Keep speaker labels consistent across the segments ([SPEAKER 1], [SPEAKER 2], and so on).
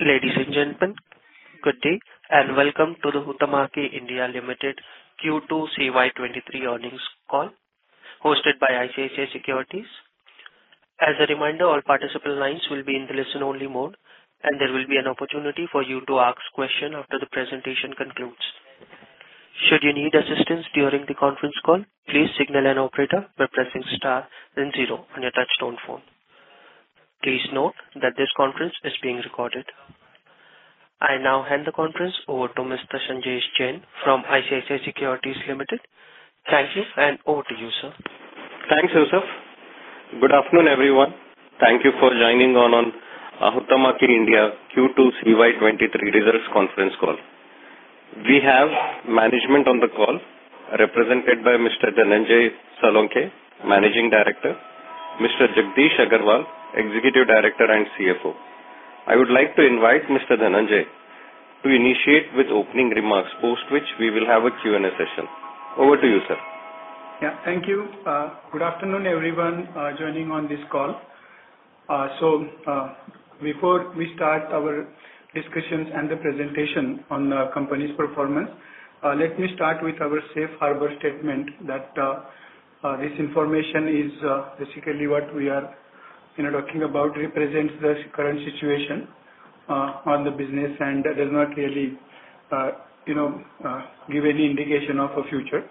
[SPEAKER 1] Ladies and gentlemen, good day, and welcome to the Huhtamaki India Limited Q2 CY 2023 earnings call, hosted by ICICI Securities. As a reminder, all participant lines will be in the listen-only mode, and there will be an opportunity for you to ask questions after the presentation concludes. Should you need assistance during the conference call, please signal an operator by pressing star then zero on your touchtone phone. Please note that this conference is being recorded. I now hand the conference over to Mr. Sanjesh Jain from ICICI Securities Limited. Thank you, and over to you, sir.
[SPEAKER 2] Thanks, Yusuf. Good afternoon, everyone. Thank you for joining on Huhtamaki India Q2 CY 2023 results conference call. We have management on the call, represented by Mr. Dhananjay Salunkhe, Managing Director, Mr. Jagdish Agarwal, Executive Director and CFO. I would like to invite Mr. Dhananjay to initiate with opening remarks, post which we will have a Q&A session. Over to you, sir.
[SPEAKER 3] Yeah. Thank you. Good afternoon, everyone joining on this call. Before we start our discussions and the presentation on the company's performance, let me start with our safe harbor statement that this information is basically what we are, you know, talking about, represents the current situation on the business, and that does not really, you know, give any indication of a future.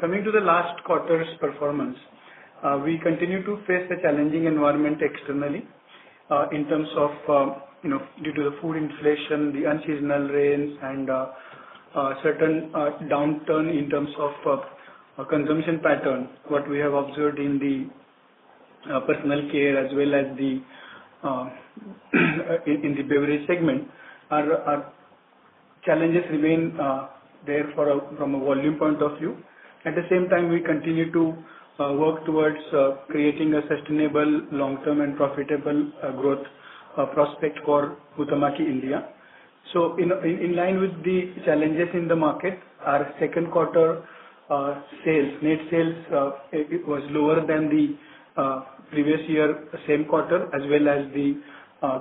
[SPEAKER 3] Coming to the last quarter's performance, we continue to face a challenging environment externally, in terms of, you know, due to the food inflation, the unseasonal rains, and certain downturn in terms of consumption pattern. What we have observed in the personal care as well as in the beverage segment, challenges remain there from a volume point of view. At the same time, we continue to work towards creating a sustainable long-term and profitable growth prospect for Huhtamaki India. In line with the challenges in the market, our Q2 sales, net sales, it was lower than the previous year, same quarter, as well as the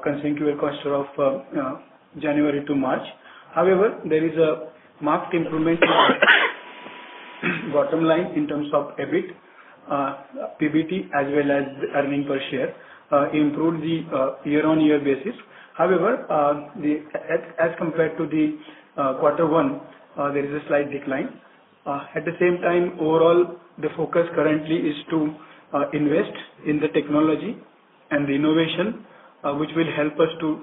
[SPEAKER 3] consecutive quarter of January to March. There is a marked improvement in bottom line in terms of EBIT, PBT, as well as the EPS improved the YoY basis. As compared to the Q1, there is a slight decline. At the same time, overall, the focus currently is to invest in the technology and the innovation which will help us to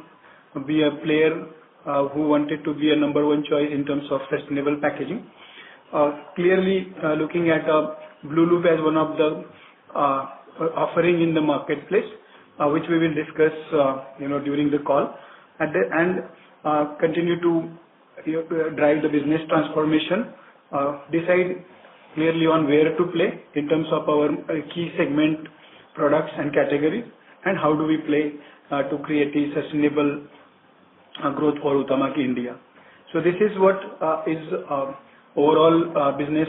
[SPEAKER 3] be a player who wanted to be a number one choice in terms of sustainable packaging. Clearly, looking at blueloop as one of the offering in the marketplace, which we will discuss, you know, during the call. At the end, continue to drive the business transformation, decide clearly on where to play in terms of our key segment, products, and categories, and how do we play to create a sustainable growth for Huhtamaki India. This is what is overall business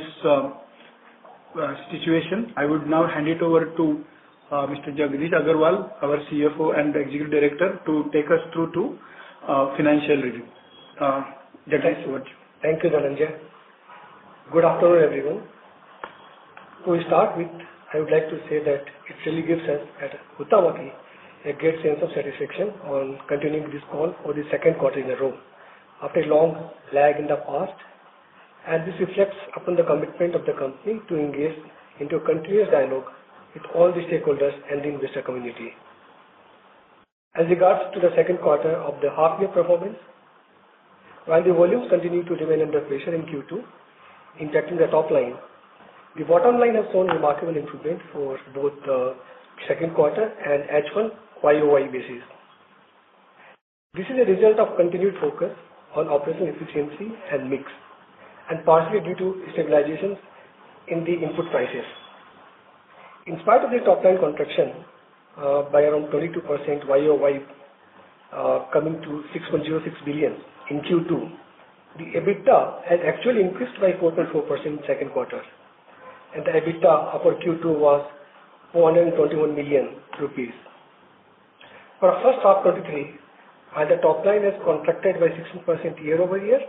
[SPEAKER 3] situation. I would now hand it over to Mr. Jagdish Agarwal, our CFO and Executive Director, to take us through to financial review. Thank you so much.
[SPEAKER 4] Thank you, Dhananjay. Good afternoon, everyone. To start with, I would like to say that it really gives us, at Huhtamaki, a great sense of satisfaction on continuing this call for the Q2 in a row, after a long lag in the past. This reflects upon the commitment of the company to engage into a continuous dialogue with all the stakeholders and the investor community. As regards to the Q2 of the half-year performance, while the volumes continued to remain under pressure in Q2, impacting the top line, the bottom line has shown remarkable improvement for both the Q2 and H1 YoY basis. This is a result of continued focus on operational efficiency and mix, and partly due to stabilizations in the input prices. In spite of the top line contraction, by around 22% YoY, coming to 6.06 billion in Q2, the EBITDA has actually increased by 4.4% in Q2, and the EBITDA for Q2 was INR 421 million. For our H1 2023, the top line has contracted by 16% year-over-year,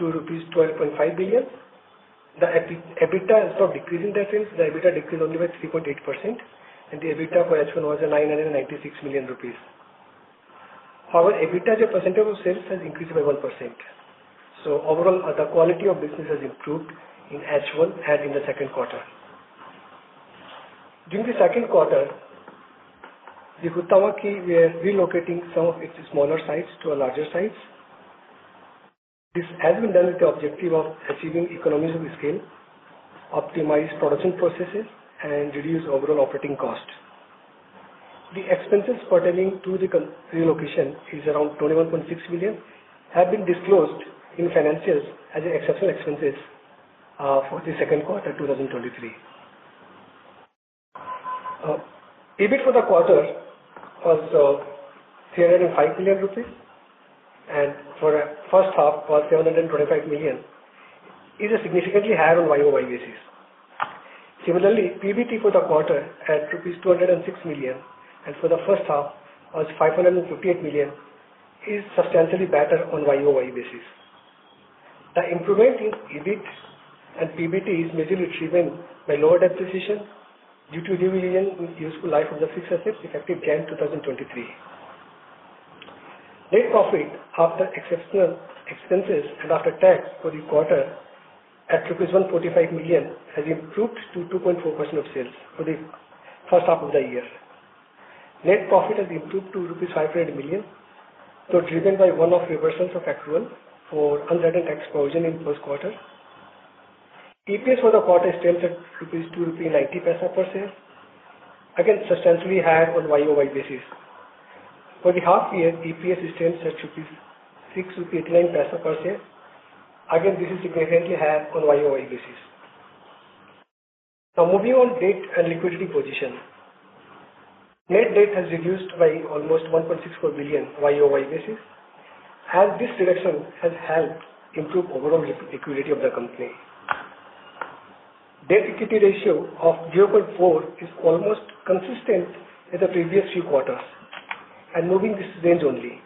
[SPEAKER 4] to rupees 12.5 billion. The EBITDA, instead of decreasing the sales, the EBITDA decreased only by 3.8%, and the EBITDA for H1 was 996 million rupees. Our EBITDA, as a percentage of sales, has increased by 1%. Overall, the quality of business has improved in H1 and in the Q2. During the Q2, the Huhtamaki were relocating some of its smaller sites to our larger sites. This has been done with the objective of achieving economies of the scale, optimize production processes, and reduce overall operating costs. The expenses pertaining to the relocation is around 21.6 million, have been disclosed in financials as exceptional expenses for the Q2 2023. EBIT for the quarter was 305 million rupees, and for the H1 was 725 million rupees. It is significantly higher on YoY basis. Similarly, PBT for the quarter at rupees 206 million, and for the H1 was 558 million, is substantially better on YoY basis. The improvement in EBIT and PBT is majorly driven by lower debt positions due to revaluation with useful life of the fixed assets, effective January 2023. Net profit after exceptional expenses and after tax for the quarter at 145 million, has improved to 2.4% of sales for the H1 of the year. Net profit has improved to 500 million rupees, though driven by one-off reversals of accrual for uncertain tax provision in Q1. EPS for the quarter stands at 2.90 rupees per share, again, substantially higher on YoY basis. For the half year, EPS stands at 6.89 per share. This is significantly higher on YoY basis. Moving on debt and liquidity position. Net debt has reduced by almost 1.64 billion YoY basis, as this reduction has helped improve overall liquidity of the company. Debt-equity ratio of 0.4 is almost consistent with the previous few quarters, and moving this range only.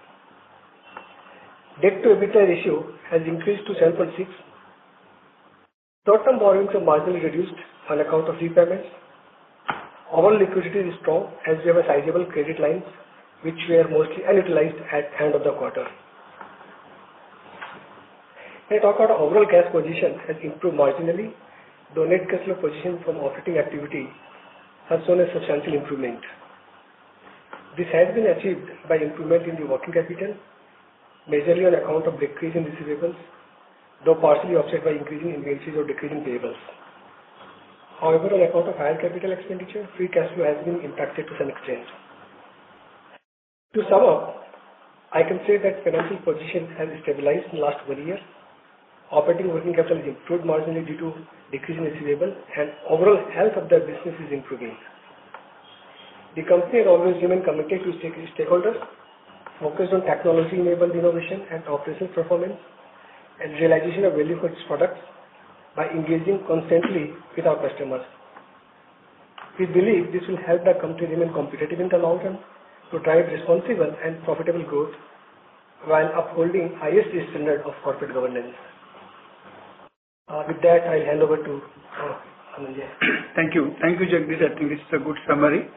[SPEAKER 4] Debt to EBITDA ratio has increased to 7.6. Short-term borrowings are marginally reduced on account of repayments. Overall liquidity is strong, as we have a sizable credit lines, which were mostly unutilized at end of the quarter. Net operating overall cash position has improved marginally, though net cash flow position from operating activity has shown a substantial improvement. This has been achieved by improvement in the working capital, majorly on account of decrease in receivables, though partially offset by increasing in inventories or decreasing payables. On account of higher capital expenditure, free cash flow has been impacted to some extent. To sum up, I can say that financial position has stabilized in the last one year. Operating working capital has improved marginally due to decrease in receivables, overall health of the business is improving. The company has always remained committed to stakeholders, focused on technology-enabled innovation and operational performance, and realization of value for its products by engaging constantly with our customers. We believe this will help the company remain competitive in the long term, to drive responsible and profitable growth, while upholding highest standard of corporate governance. With that, I'll hand over to Dhanajay.
[SPEAKER 3] ou, Jagdish. I think this is a good summary.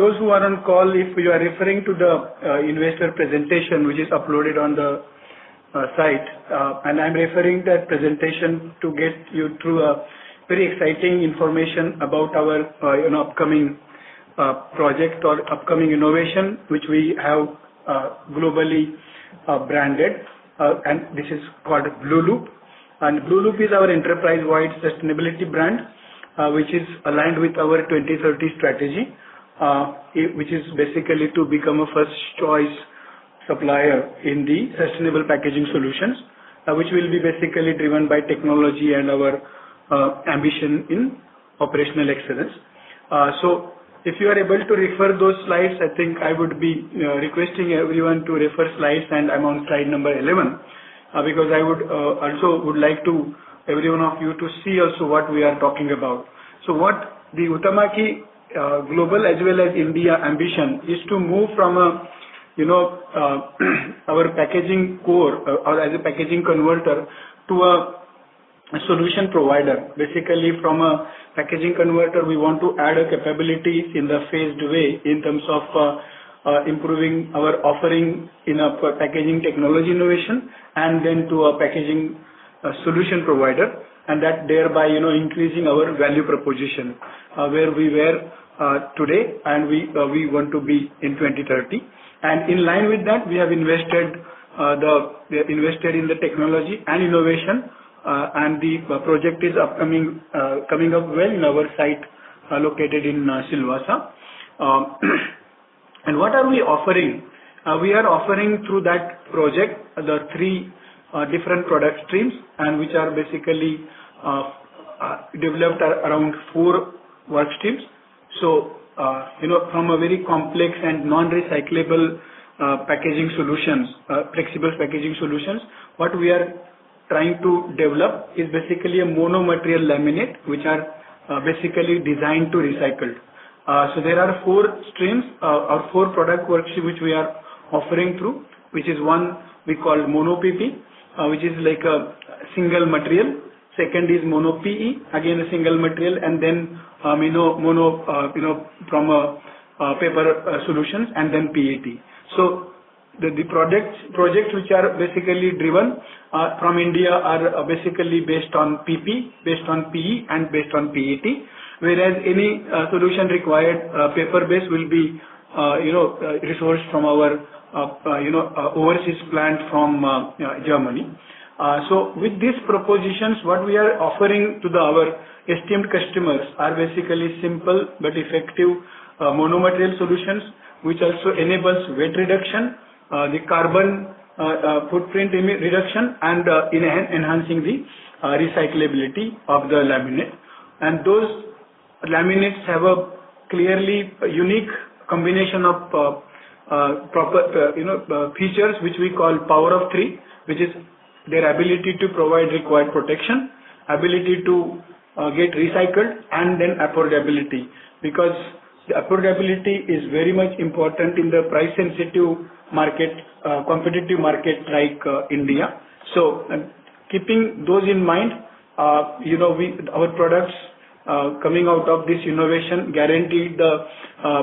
[SPEAKER 3] Those who are on call, if you are referring to the investor presentation, which is uploaded on the site, and I am referring that presentation to get you through a very exciting information about our an upcoming project or upcoming innovation, which we have globally branded, and this is called blueloop. blueloop is our enterprise-wide sustainability brand, which is aligned with our 2030 strategy, which is basically to become a first-choice supplier in the sustainable packaging solutions, which will be basically driven by technology and our ambition in operational excellence. If you are able to refer those slides, I think I would be requesting everyone to refer slides, and I am on slide number 11 Because I would also like to every one of you to see also what we are talking about. What the Huhtamaki Global as well as India ambition is to move from a, you know, our packaging core or as a packaging converter to a solution provider. Basically, from a packaging converter, we want to add a capability in the phased way in terms of improving our offering in a packaging technology innovation and then to a packaging solution provider. That thereby, you know, increasing our value proposition where we were today and we want to be in 2030. In line with that, we have invested in the technology and innovation, and the project is upcoming, coming up well in our site located in Silvassa. What are we offering? We are offering through that project, the three different product streams, which are basically developed around four work streams. You know, from a very complex and non-recyclable packaging solutions, flexible packaging solutions, what we are trying to develop is basically a mono-material laminate, which are basically designed to recycle. There are four streams or four product works which we are offering through, which is one we call mono PP, which is like a single material. Second is mono PE, again, a single material, you know, mono, you know, from a paper solutions, PET. The projects which are basically driven from India are basically based on PP, based on PE, and based on PET. Whereas any solution required paper-based will be, you know, resourced from our, you know, overseas plant from Germany. With these propositions, what we are offering to the our esteemed customers are basically simple but effective mono material solutions, which also enables weight reduction, the carbon footprint reduction and enhancing the recyclability of the laminate. And those laminates have a clearly unique combination of proper, you know, features, which we call power of three, which is their ability to provide required protection, ability to get recycled, and then affordability. The affordability is very much important in the price-sensitive market, competitive market like India. Keeping those in mind, you know, our products coming out of this innovation guarantee the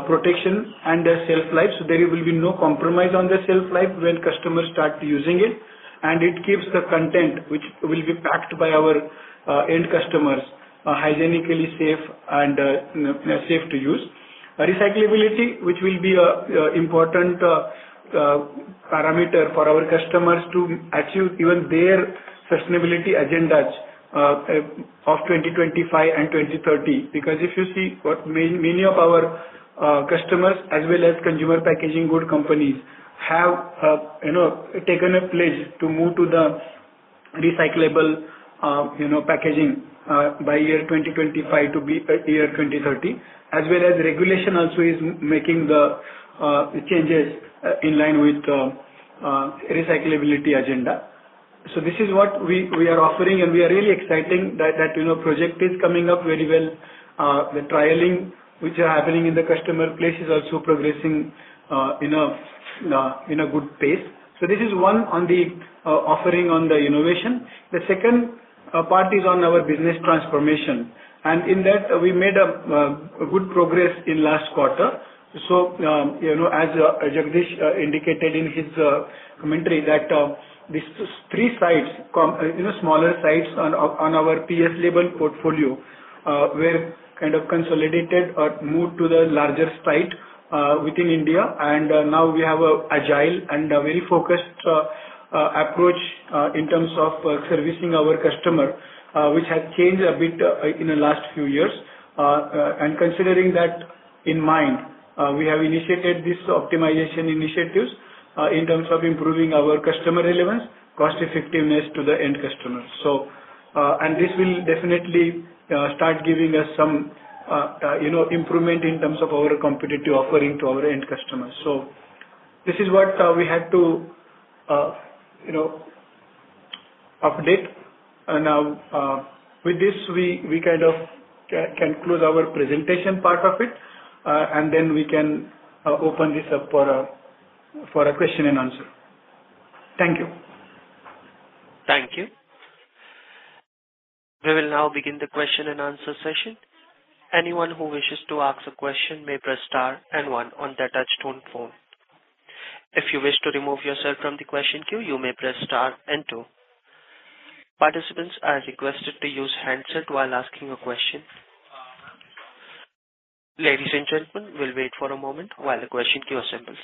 [SPEAKER 3] protection and their shelf life. There will be no compromise on the shelf life when customers start using it. It keeps the content, which will be packed by our end customers, hygienically safe and safe to use. Recyclability, which will be a important parameter for our customers to achieve even their sustainability agendas of 2025 and 2030. If you see what many of our customers, as well as consumer packaging good companies, have, you know, taken a pledge to move to the recyclable, you know, packaging by year 2025 to be year 2030, as well as regulation also is making the changes in line with the recyclability agenda. This is what we are offering, and we are really exciting that, you know, project is coming up very well. The trialing, which are happening in the customer place, is also progressing in a good pace. This is one on the offering on the innovation. The second part is on our business transformation, and in that, we made a good progress in last quarter. You know, as Jagdish indicated in his commentary, that these three sites you know, smaller sites on our PS label portfolio were kind of consolidated or moved to the larger site within India. Now we have a agile and a very focused approach in terms of servicing our customer, which has changed a bit in the last few years. Considering that in mind, we have initiated this optimization initiatives, in terms of improving our customer relevance, cost effectiveness to the end customer. This will definitely, start giving us some, you know, improvement in terms of our competitive offering to our end customers. This is what, we had to, you know, update. Now, with this, we kind of conclude our presentation part of it, and then we can, open this up for a question and answer. Thank you.
[SPEAKER 1] Thank you. We will now begin the question-and-answer session. Anyone who wishes to ask a question may press star and one on their touchtone phone. If you wish to remove yourself from the question queue, you may press star and two. Participants are requested to use handset while asking a question. Ladies and gentlemen, we'll wait for a moment while the question queue assembles.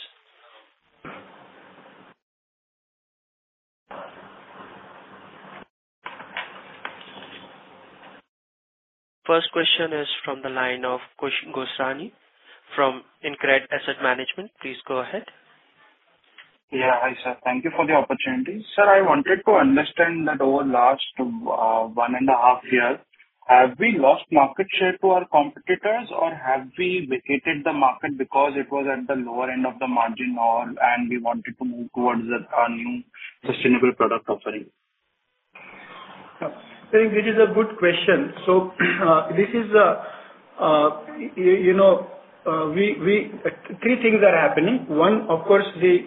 [SPEAKER 1] First question is from the line of Khush Gosrani from InCred Asset Management. Please go ahead.
[SPEAKER 5] Yeah. Hi, sir. Thank you for the opportunity. Sir, I wanted to understand that over the last, 1.5 years, have we lost market share to our competitors, or have we vacated the market because it was at the lower end of the margin all, and we wanted to move towards the, our new sustainable product offering?
[SPEAKER 3] Yeah, this is a good question. This is a, you know, three things are happening. One, of course, there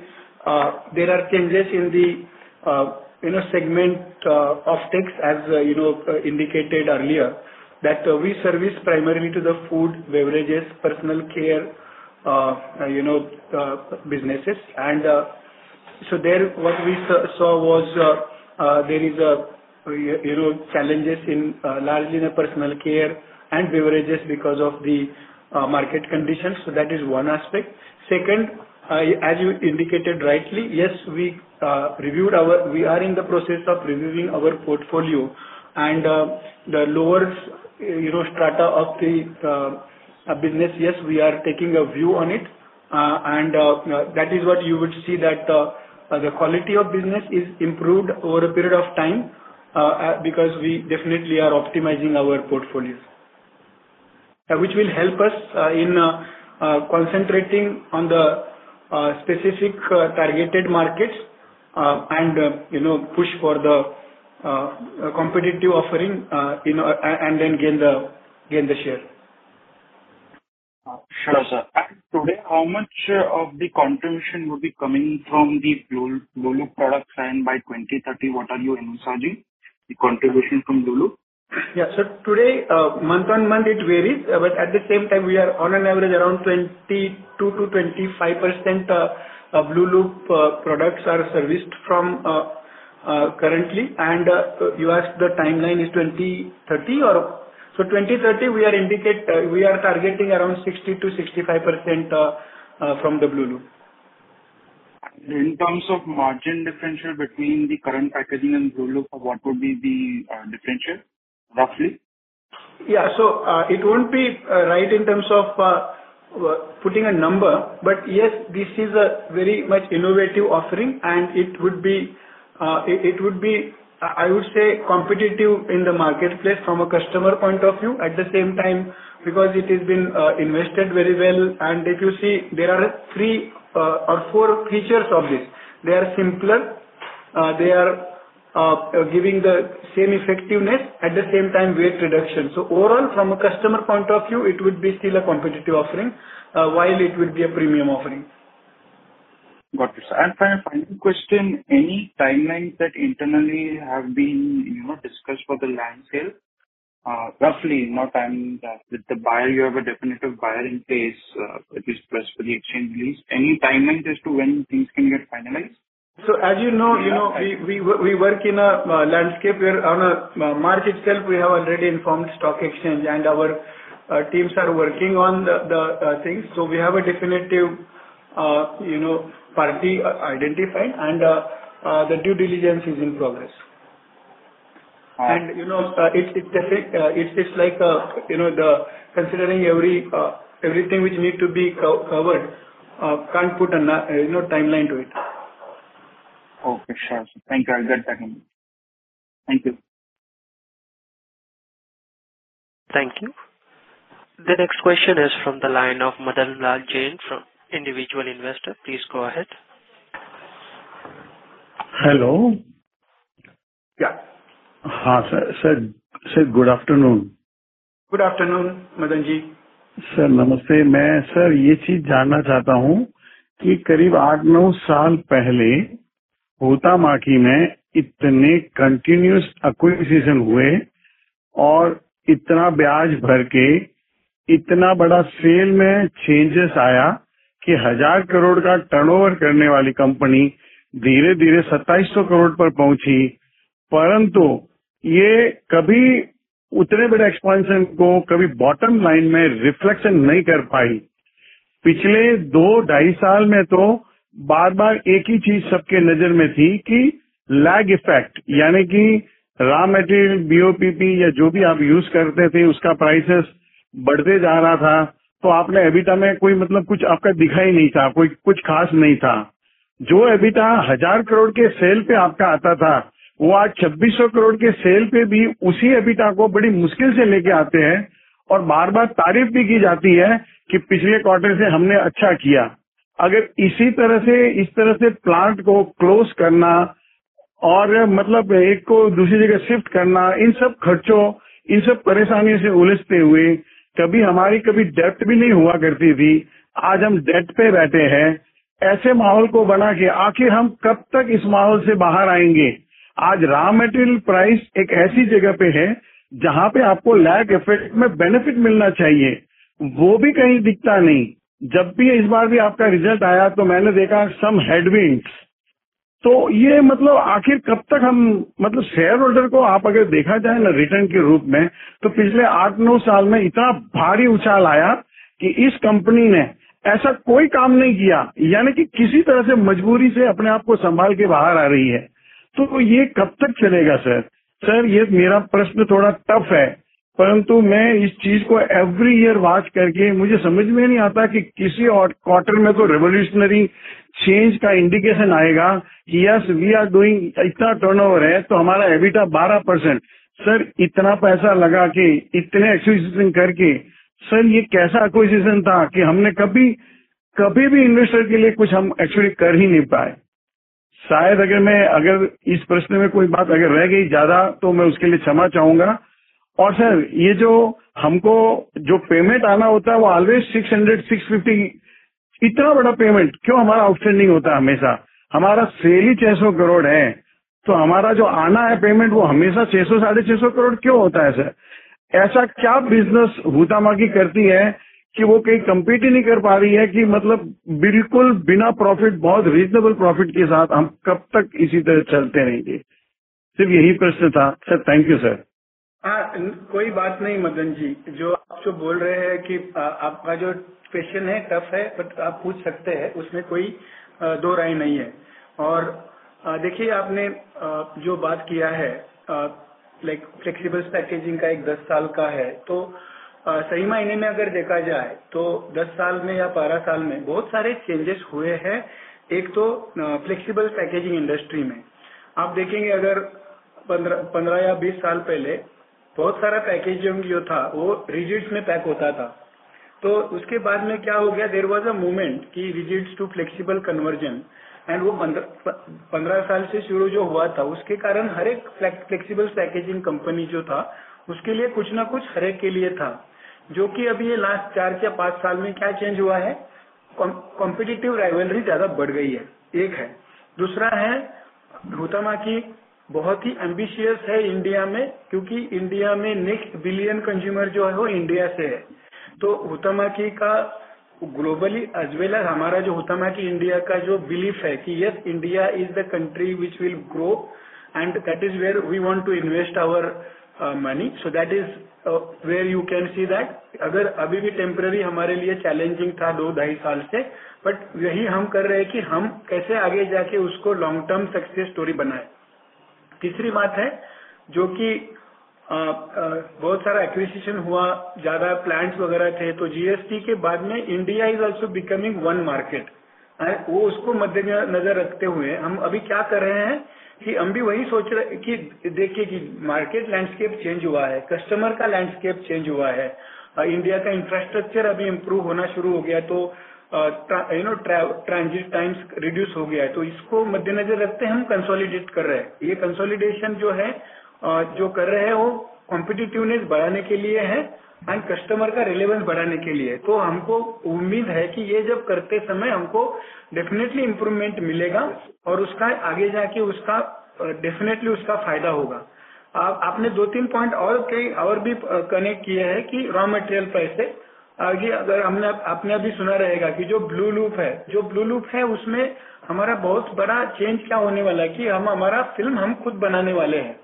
[SPEAKER 3] are changes in the, you know, segment of takes, as, you know, indicated earlier, that we service primarily to the food, beverages, personal care, you know, businesses. There what we saw was, there is, you know, challenges in largely in the personal care and beverages because of the market conditions. That is one aspect. Second, as you indicated rightly, yes, we are in the process of reviewing our portfolio and the lower, you know, strata of the business, yes, we are taking a view on it. That is what you would see that the quality of business is improved over a period of time because we definitely are optimizing our portfolios. Which will help us in concentrating on the specific targeted markets and, you know, push for the competitive offering, you know, and then gain the share.
[SPEAKER 5] Sure, sir. Today, how much of the contribution will be coming from the blueloop products, and by 2030, what are you envisaging, the contribution from blueloop?
[SPEAKER 3] Yeah. Today, month on month, it varies, but at the same time, we are on an average, around 22%-25% blueloop products are serviced from currently. You asked the timeline is 2030, or? 2030, we are targeting around 60%-65% from the blueloop.
[SPEAKER 5] In terms of margin differential between the current packaging and blueloop, what would be the differential, roughly?
[SPEAKER 3] Yeah. It won't be right in terms of putting a number. Yes, this is a very much innovative offering and it would be, I would say, competitive in the marketplace from a customer point of view. At the same time, because it has been invested very well. If you see there are three or four features of this, they are simpler, they are giving the same effectiveness at the same time weight reduction. Overall, from a customer point of view, it would be still a competitive offering, while it would be a premium offering.
[SPEAKER 5] Got it. Final question, any timelines that internally have been, you know, discussed for the land sale? Roughly, no time with the buyer. You have a definitive buyer in place, which is best for the exchange lease. Any timelines as to when things can get finalized?
[SPEAKER 3] As you know, you know, we work in a landscape where on a March itself, we have already informed stock exchange and our teams are working on the things. We have a definitive, you know, party identified and the due diligence is in progress. You know, it's just like a, you know, the considering everything which need to be covered. Can't put a, you know, timeline to it.
[SPEAKER 5] Okay. Thank you. I get that. Thank you.
[SPEAKER 1] Thank you. The next question is from the line of Madanlal Jain from individual investor. Please go ahead.
[SPEAKER 6] Hello.
[SPEAKER 3] Yeah.
[SPEAKER 6] Sir, sir. Sir, good afternoon.
[SPEAKER 3] Good afternoon, Madanlal Jain.
[SPEAKER 6] Sir, namaste, main sir ye cheez janna chahta hoon ki karib 8-9 saal pehle Huhtamaki main itne continuous acquisition hue aur itna vyaj bharke itna bada sale main changes aaya ki INR 1,000 crore ka turnover karne wali company dheere dheere INR 2,700 crore par pahuchi. Ye kabhi utne bade expansion ko kabhi bottom line main reflection nahi kar pai. pichhle 2-2.5 saal main to baar baar ek hi cheez sabke nazar main thi ki lag effect yani ki raw material BOPP ya jo bhi aap use karte the, uska prices badhte ja raha tha to aapne EBITDA main koi matlab kuch aapka dikhai nahi tha. Koi kuch khaas nahi tha. jo EBITDA INR 1,000 crore ke sale pe aapka aata tha, woh aaj INR 2,600 crore ke sale pe bhi usi EBITDA ko badi muskil se leke aate hain aur baar baar taarif bhi ki jati hai ki pichhle quarter se humne achcha kiya. Isi tarah se plant ko close karna aur matlab ek ko dusri jagah shift karna, in sab kharchon, in sab pareshaaniyon se ulajhte hue kabhi humari kabhi debt bhi nahi hua karti thi. Aaj hum debt pe baithte hain. Aise mahol ko bana ke aakhir hum kab tak is mahol se bahar aayenge? Aaj raw material price ek aisi jagah pe hai jahan pe aapko lag effect main benefit milna chahiye, woh bhi kahi dikhta nahi. Jab bhi is baar bhi aapka result aaya to maine dekha some headwinds. Ye matlab aakhir kab tak hum? matlab shareholder ko aap agar dekha jaye na return ke roop main to pichhle 8-9 saal main itna bhari uchal aaya ki is company ne aisa koi kaam nahi kiya. Yani ki kisi tarah se majboori se apne aap ko sambhal ke bahar aa rahi hai to ye kab tak chalega, sir? Sir, ye mera prashn thoda tough hai, parantu main is cheez ko every year watch karke mujhe samajh main nahi aata ki kisi quarter main to revolutionary change ka indication aayega ki yes, we are doing itna turnover hai to hamara EBITDA 12%. Sir, itna paisa laga ke itne acquisition karke. Sir, ye kaisa acquisition tha ki humne kabhi bhi investor ke liye kuch hum actually kar hi nahi paaye. Shayad agar main agar is prashn main koi baat agar reh gayi jyada to main uske liye kshama chahunga. Sir, ye jo humko jo payment aana hota hai woh always INR 600-650 itna bada payment kyun hamara outstanding hota hai hamesha? hamara sale hi INR 600 crore hai to hamara jo aana hai, payment woh hamesha INR 600-650 crore kyun hota hai sir? aisa kya business Huhtamaki karti hai ki woh kahi complete hi nahi kar pa rahi hai ki matlab bilkul bina profit, bahut reasonable profit ke saath hum kab tak isi tarah chalte rahenge. Sir, yahi prashn tha. Sir, thank you, sir.
[SPEAKER 3] Haan, koi baat nahi Madan ji, jo aap jo bol rahe hai ki aapka jo question hai, tough hai, but aap puch sakte hai, usme koi do rai nahi hai. Dekhiye aapne jo baat kiya hai, like flexible packaging ka ek 10 saal ka hai to sahi maaine main agar dekha jaaye to 10 saal main ya 12 saal main bahut sare changes hue hai. Ek to flexible packaging industry main aap dekhenge agar 15 ya 20 saal pehle bahut sara packaging jo tha woh rigids main pack hota tha. Uske baad main kya ho gaya? There was a moment ki rigids to flexible conversion woh 15 saal se shuru jo hua tha. Uske karan har ek flexible packaging company jo tha, uske liye kuch na kuch har ek ke liye tha. Ab ye last 4 ya 5 saal main kya change hua hai? Competitive rivalry jyada badh gayi hai, ek hai. Dusra hai Huhtamaki bahut hi ambitious hai India main kyuki India main next billion consumer jo hai woh India se hai. Huhtamaki ka globally as well as hamara jo Huhtamaki India ka jo belief hai ki yes, India is the country which will grow and that is where we want to invest our money. That is where you can see that agar abhi bhi temporary hamare liye challenging tha 2-2.5 sal se. Yahi hum kar rahe hai ki hum kaise aage jaake usko long term success story banaye. तीसरी बात है जो कि बहुत सारा acquisition हुआ, ज्यादा clients वगैरह थे तो GST के बाद में India is also becoming one market. उसको मध्य नजर रखते हुए हम अभी क्या कर रहे हैं कि हम भी वही सोच रहे हैं कि देखिए कि मार्केट लैंडस्केप चेंज हुआ है, कस्टमर का लैंडस्केप चेंज हुआ है और इंडिया का इंफ्रास्ट्रक्चर अभी improve होना शुरू हो गया तो you know, transit times reduce हो गया है तो इसको मध्य नजर रखते हुए हम कंसोलिडेट कर रहे हैं। यह कंसोलिडेशन जो है, जो कर रहे हैं, वो competitive बनाने के लिए है and कस्टमर का relevance बढ़ाने के लिए है। हमको उम्मीद है कि यह जब करते समय हमको definitely improvement मिलेगा और उसका आगे जाकर उसका definitely उसका फायदा होगा। आपने 2-3 पॉइंट और भी कनेक्ट किया है कि रॉ मटेरियल पैसे आगे अगर हमने आपने अभी सुना रहेगा कि जो blueloop है, उसमें हमारा बहुत बड़ा चेंज क्या होने वाला है कि हम हमारा फिल्म हम खुद बनाने वाले हैं।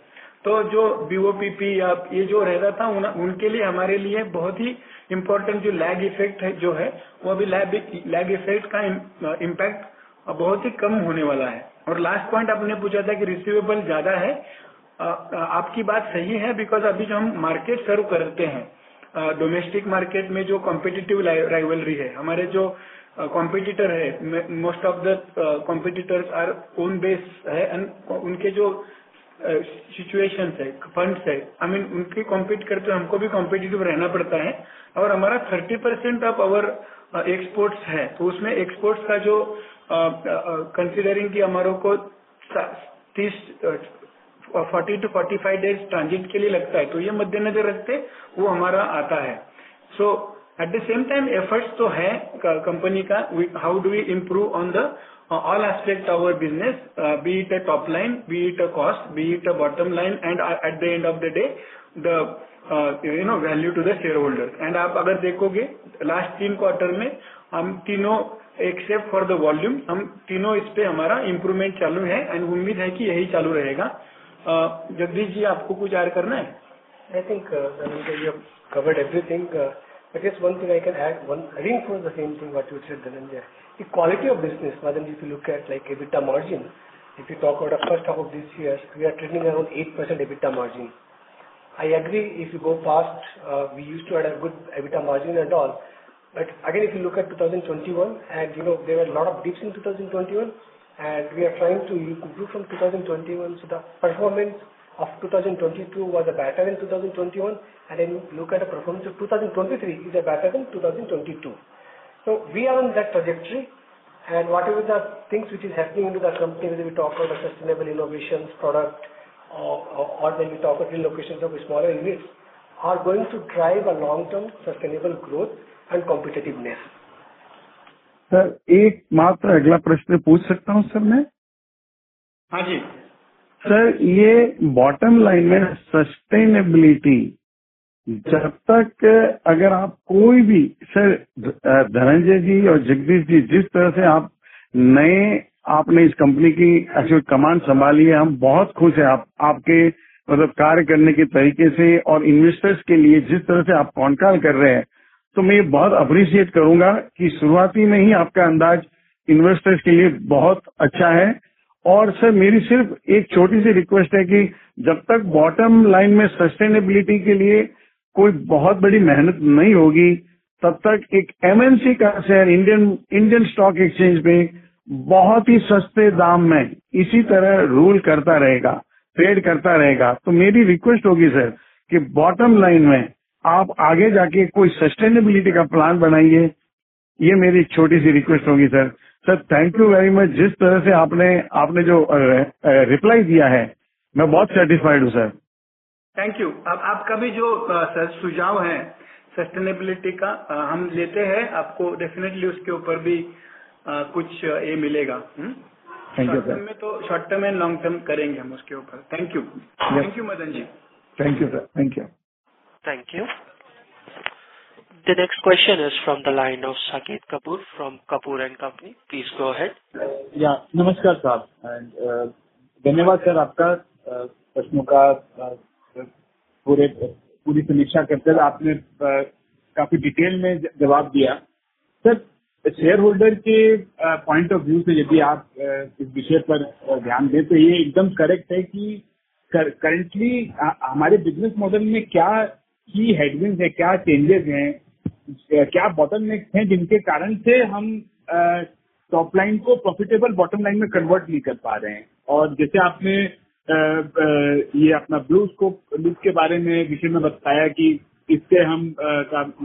[SPEAKER 3] जो BOPP या ये जो रहता था, उनके लिए हमारे लिए बहुत ही important जो lag effect है, जो है वो अभी lag effect का impact बहुत ही कम होने वाला है। Last point आपने पूछा था कि receivable ज्यादा है। आपकी बात सही है, because अभी जो हम मार्केट सर्व करते हैं, डोमेस्टिक मार्केट में जो competitive rivalry है, हमारे जो competitor है, most of the competitor are on base है and उनके जो सिचुएशन है, funds है, I mean उनके compete करते हमको भी competitive रहना पड़ता है और हमारा 30% of our exports है तो उसमें exports का जो considering की, हमारे को 30-45 days transit के लिए लगता है तो यह मध्य नजर रखते वो हमारा आता है। At the same time effort तो है कंपनी का। How do we improve on the all aspect, our business be it topline be it cost, be it bottom line and at the end of the day the value to the shareholder and आप अगर देखोगे last three quarters में हम तीनों एक except for the volume। हम तीनों इस पर हमारा improvement चालू है and उम्मीद है कि यही चालू रहेगा। Jagdish ji, आपको कुछ add करना है?
[SPEAKER 4] Dhananjay, I think you covered everything. I guess one thing I can add - I think for the same thing, what you say on India. The quality of business, model, if you look at like EBITDA margin, if you talk about the H1 of this year, we are trading around 8% EBITDA margin. I agree if you go fast, we used to had a good EBITDA margin and all. But again, if you look at 2021, and there were a lot of dips in 2021 and we are trying to conclude from 2021. So the performance of 2022 was better than 2021 and then look at the performance of 2023 is better than 2022. So we are in that trajectory. And whatever the things which is happening to the company when we talk about a sustainable innovations product or when you talk of a locations of smaller units are going to drive a long-term sustainable growth and competitiveness.
[SPEAKER 6] Sir, एक मात्र अगला प्रश्न पूछ सकता हूं, sir मैं।
[SPEAKER 3] हां जी।
[SPEAKER 6] सर, यह bottom line में sustainability जब तक अगर आप कोई भी सर Dhananjay ji और Jagdish ji, जिस तरह से आप नए आपने इस कंपनी की कमांड संभाली है, हम बहुत खुश हैं। आप आपके मतलब कार्य करने के तरीके से और investors के लिए जिस तरह से आप concall कर रहे हैं, तो मैं बहुत appreciate करूंगा कि शुरुआती में ही आपका अंदाज investors के लिए बहुत अच्छा है। सर, मेरी सिर्फ एक छोटी सी request है कि जब तक bottom line में sustainability के लिए कोई बहुत बड़ी मेहनत नहीं होगी, तब तक एक MNC का share Indian Stock Exchange में बहुत ही सस्ते दाम में इसी तरह रूल करता रहेगा। Trade करता रहेगा तो मेरी request होगी सर कि bottom line में आप आगे जाकर कोई sustainability का plan बनाइए। यह मेरी एक छोटी सी request होगी। Sir, Thank you very much! जिस तरह से आपने जो रिप्लाई दिया है, मैं बहुत सेटिस्फाइड हूं सर।
[SPEAKER 3] Thank you. आपका भी जो सुझाव है sustainability का, हम लेते हैं। आपको definitely उसके ऊपर भी कुछ मिलेगा। short term और long term करेंगे हम उसके ऊपर। Thank you. Thank you Madanlal Jain.
[SPEAKER 6] Thank you sir. Thank you.
[SPEAKER 1] Thank you. The next question is from the line of Saket Kapoor from Kapoor & Company
[SPEAKER 7] या नमस्कार साहब! धन्यवाद सर, आपका प्रश्नों का पूरे पूरी समीक्षा करके आपने काफी डिटेल में जवाब दिया। सर, शेयरहोल्डर के पॉइंट ऑफ व्यू से यदि आप इस विषय पर ध्यान दें, तो यह एकदम करेक्ट है कि करेंटली हमारे बिजनेस मॉडल में क्या key headwinds है, क्या change है? क्या bottleneck हैं, जिनके कारण से हम topline को profitable bottomline में कन्वर्ट नहीं कर पा रहे हैं और जैसे आपने यह अपना blueloop के बारे में विषय में बताया कि इससे हम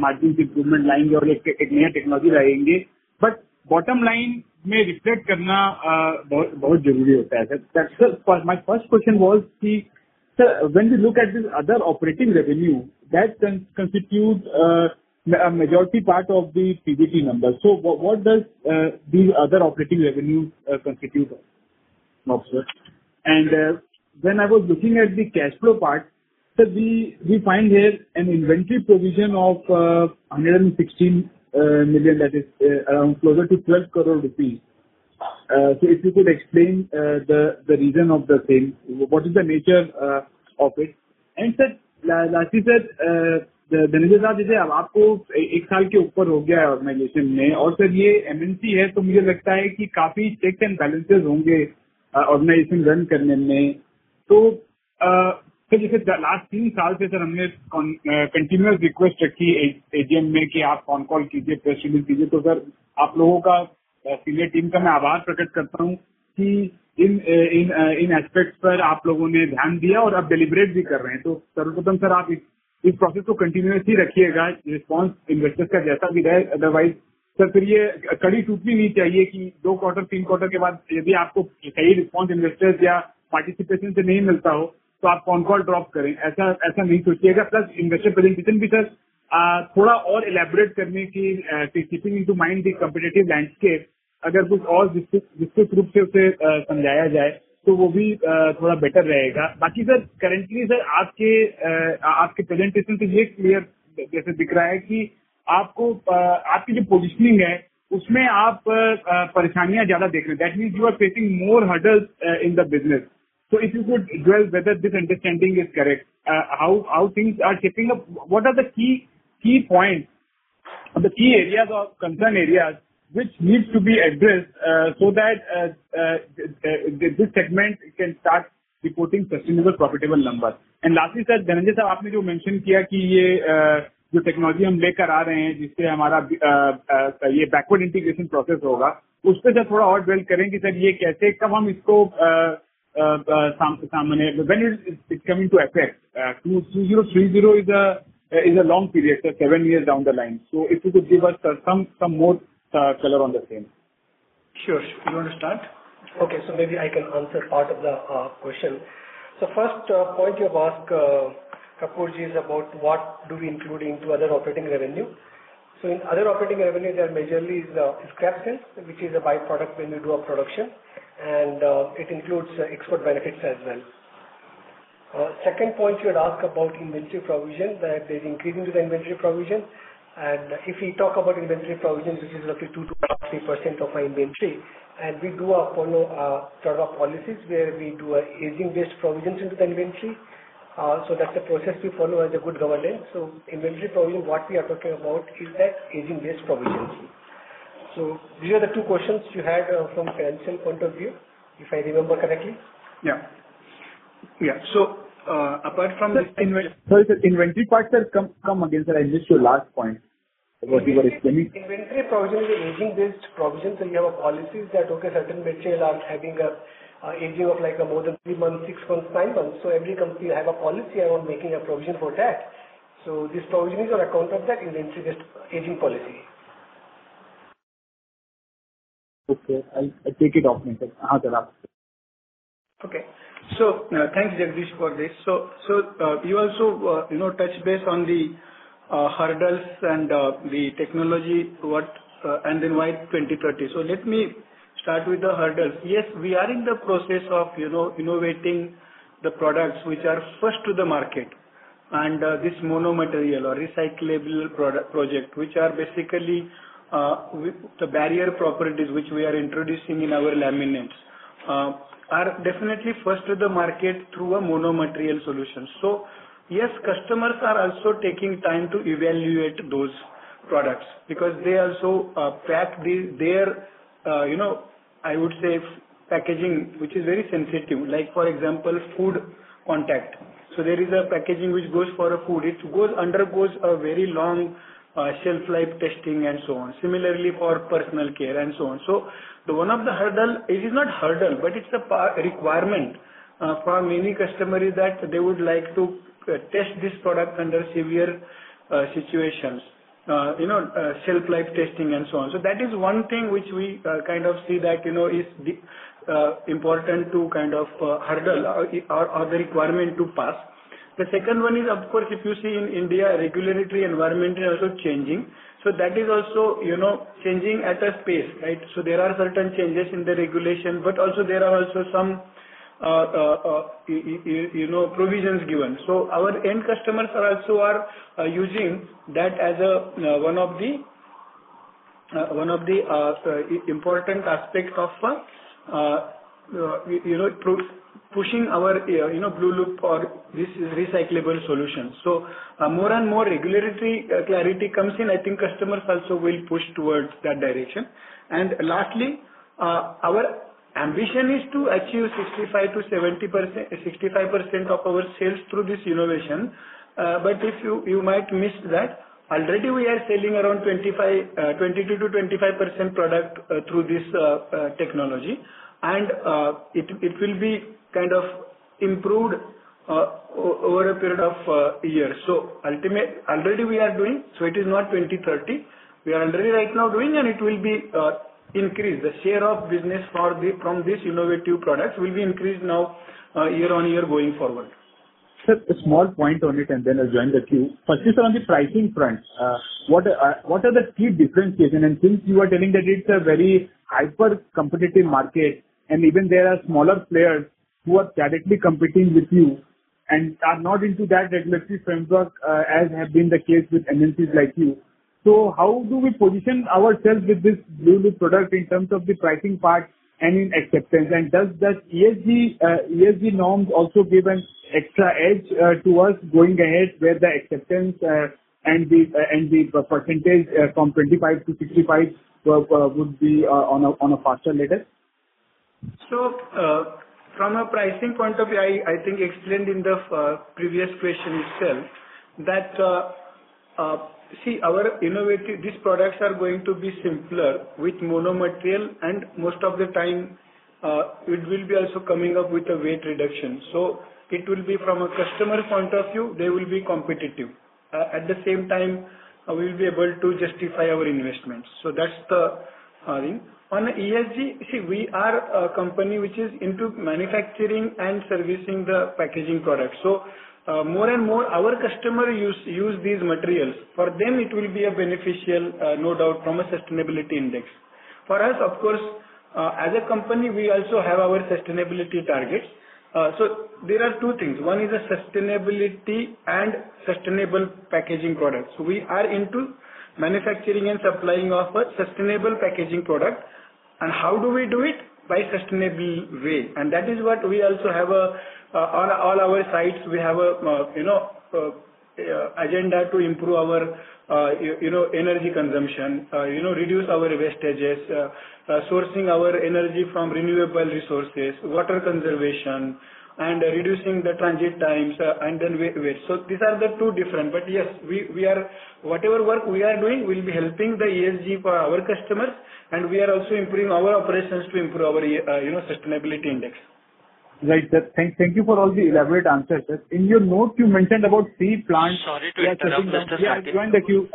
[SPEAKER 7] मार्जिन इंप्रूवमेंट लाएंगे और एक नई टेक्नोलॉजी लाएंगे। bottomline में रिफ्लेक्ट करना बहुत जरूरी होता है। Sir my first question was कि sir, when we look at Other Operating Revenue that constitute majority part of the PBT number. What does the Other Operating Revenue constitute? When I was looking at the cash flow part, sir, we find here and inventory provision of 116 million that is closer to 12 crore rupees. If you could explain the reason of the same. What is the nature of it? Sir, lastly, sir, Dhananjay sir, now you have over a year in the organization, and sir, this which needs to be addressed so that this segment can start reporting sustainable, profitable numbers. Lastly, Sir, Dhananjay Sir, you mentioned that the technology we are bringing, which will have this backward integration process, Sir, please elaborate a little more on that, Sir, how, when we will face it? When is it coming to effect? 2030 is a long period, Sir, seven years down the line. If you could give us some more color on the same.
[SPEAKER 3] Sure. You want to start?
[SPEAKER 4] Maybe I can answer part of the question. First point you have asked Kapoor, is about what do we include into other operating revenue. In other operating revenue, there majorly is scrap sales, which is a by-product when we do our production, and it includes export benefits as well. Second point you had asked about inventory provision, that there's increase into the inventory provision. If we talk about inventory provision, this is roughly 2%-3% of our inventory, and we do follow a set of policies where we do aging-based provisions into the inventory. That's the process we follow as a good governance. Inventory provision, what we are talking about is that aging-based provision. These are the two questions you had from financial point of view, if I remember correctly.
[SPEAKER 3] Yeah. Yeah. apart from the.
[SPEAKER 7] Sorry, sir, inventory part, sir, come again, sir. I missed your last point, what you were explaining.
[SPEAKER 4] Inventory provision is aging-based provision. You have a policy that, okay, certain materials are having a aging of, like, more than three months, six months, nine months. Every company have a policy around making a provision for that. This provision is on account of that inventory-based aging policy.
[SPEAKER 7] Okay, I take it off then. Sir, after you.
[SPEAKER 3] Okay. Thanks, Jagdish, for this. You also, you know, touch base on the hurdles and the technology what, and then why 2030? Let me start with the hurdles. Yes, we are in the process of, you know, innovating the products which are first to the market, and this mono material or recyclable project, which are basically with the barrier properties, which we are introducing in our laminates, are definitely first to the market through a mono material solution. Yes, customers are also taking time to evaluate those products because they also, pack their, you know, I would say, packaging, which is very sensitive, like, for example, food contact. There is a packaging which goes for a food. It undergoes a very long shelf life testing and so on. Similarly, for personal care and so on. The one of the hurdle, it is not hurdle, but it's a requirement from many customer is that they would like to test this product under severe situations, you know, shelf life testing and so on. That is one thing which we kind of see that, you know, is important to kind of hurdle or, the requirement to pass. The second one is, of course, if you see in India, regulatory environment is also changing. That is also, you know, changing at a pace, right? There are certain changes in the regulation, but also there are also some, you know, provisions given. Our end customers are also using that as a one of the important aspect of, you know, pushing our, you know, blueloop or this recyclable solution. More and more regulatory clarity comes in, I think customers also will push towards that direction. Lastly, our ambition is to achieve 65% of our sales through this innovation. But if you might miss that, already we are selling around 25, 22%-25% product through this technology, and it will be kind of improved over a period of years. Already we are doing, so it is not 2030. We are already right now doing, and it will be increased. The share of business from these innovative products will be increased now, year on year going forward.
[SPEAKER 7] Sir, a small point on it. Then I'll join the queue. Firstly, sir, on the pricing front, what are the key differentiators? Since you are telling that it's a very hyper-competitive market, and even there are smaller players who are directly competing with you and are not into that regulatory framework, as have been the case with MNCs like you. How do we position ourselves with this blueloop product in terms of the pricing part and in acceptance? Does that ESG norms also give an extra edge towards going ahead with the acceptance, and the percentage from 25% to 65% would be on a faster level?
[SPEAKER 3] From a pricing point of view, I think explained in the previous question itself, that see, these products are going to be simpler with mono material, and most of the time, it will be also coming up with a weight reduction. It will be from a customer point of view, they will be competitive. At the same time, we'll be able to justify our investments. That's the. On ESG, see, we are a company which is into manufacturing and servicing the packaging products. More and more our customer use these materials. For them, it will be a beneficial, no doubt, from a sustainability index. For us, of course, as a company, we also have our sustainability targets. There are two things: One is a sustainability and sustainable packaging products. We are into manufacturing and supplying of a sustainable packaging product, how do we do it? By sustainable way. That is what we also have a on all our sites, we have a you know, agenda to improve our you know, energy consumption, you know, reduce our wastages, sourcing our energy from renewable resources, water conservation, and reducing the transit times and then weight. These are the two different. Yes, we whatever work we are doing, we'll be helping the ESG for our customers, and we are also improving our operations to improve our you know, sustainability index.
[SPEAKER 7] Right. Thank you for all the elaborate answers. In your note, you mentioned about three plants-
[SPEAKER 1] Sorry to interrupt Mr. Saket.
[SPEAKER 7] Yeah, join the queue.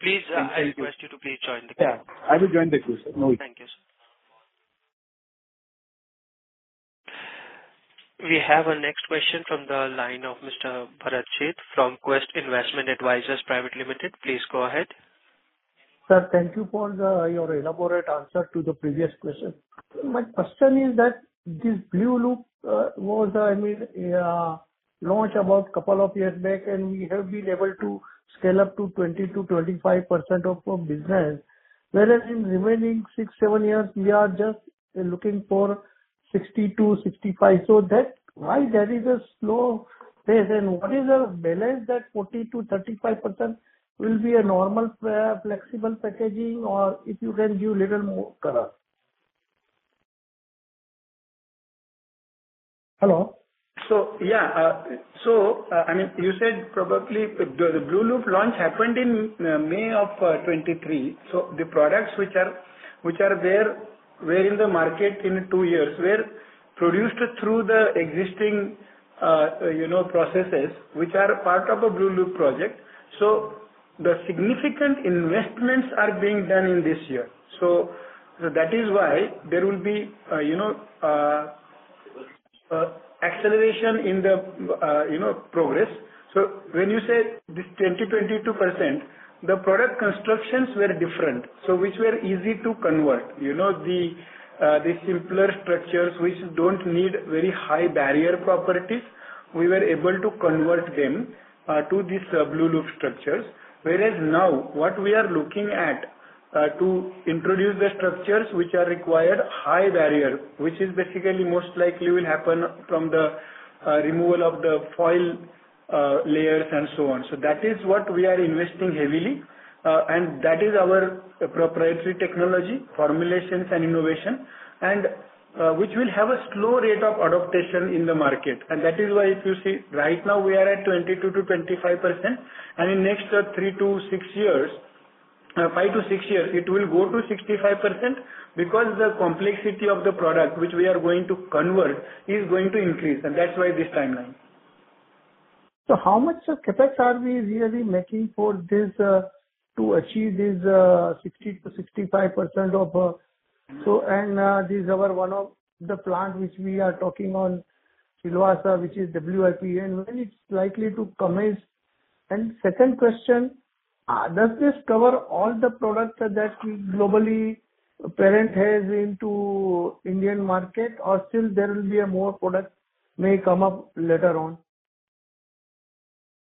[SPEAKER 1] Please, I request you to please join the queue.
[SPEAKER 7] Yeah, I will join the queue, sir. No worry.
[SPEAKER 1] Thank you, sir. We have our next question from the line of Mr. Bharat Sheth from Quest Investment Advisors Private Limited. Please go ahead.
[SPEAKER 8] Sir, thank you for the, your elaborate answer to the previous question. My question is that, this blueloop was, I mean, launched a couple of years back, we have been able to scale up to 20%-25% of our business, whereas in remaining six, seven years, we are just looking for 60%-65%. Why there is a slow pace, and what is the balance that 40%-35% will be a normal flexible packaging or if you can give little more color? Hello.
[SPEAKER 3] I mean, you said probably the blueloop launch happened in May of 2023. The products which are, which are there, were in the market in two years, were produced through the existing, you know, processes, which are part of a blueloop project. The significant investments are being done in this year. That is why there will be, you know, acceleration in the, you know, progress. When you say this 20%-22%, the product constructions were different, so which were easy to convert. You know, the simpler structures, which don't need very high barrier properties, we were able to convert them to these blueloop structures. Now, what we are looking at to introduce the structures which are required high barrier, which is basically most likely will happen from the removal of the foil layers and so on. That is what we are investing heavily, and that is our proprietary technology, formulations and innovation, and which will have a slow rate of adaptation in the market. That is why if you see, right now we are at 22%-25%, and in next three to six years, five to six years, it will go to 65% because the complexity of the product, which we are going to convert, is going to increase, and that's why this timeline.
[SPEAKER 8] How much of CapEx are we really making for this to achieve this 60%-65% of. This is our one of the plant which we are talking on Silvassa, which is WIP, when it's likely to commence? Second question, does this cover all the products that globally parent has into Indian market, or still there will be a more product may come up later on?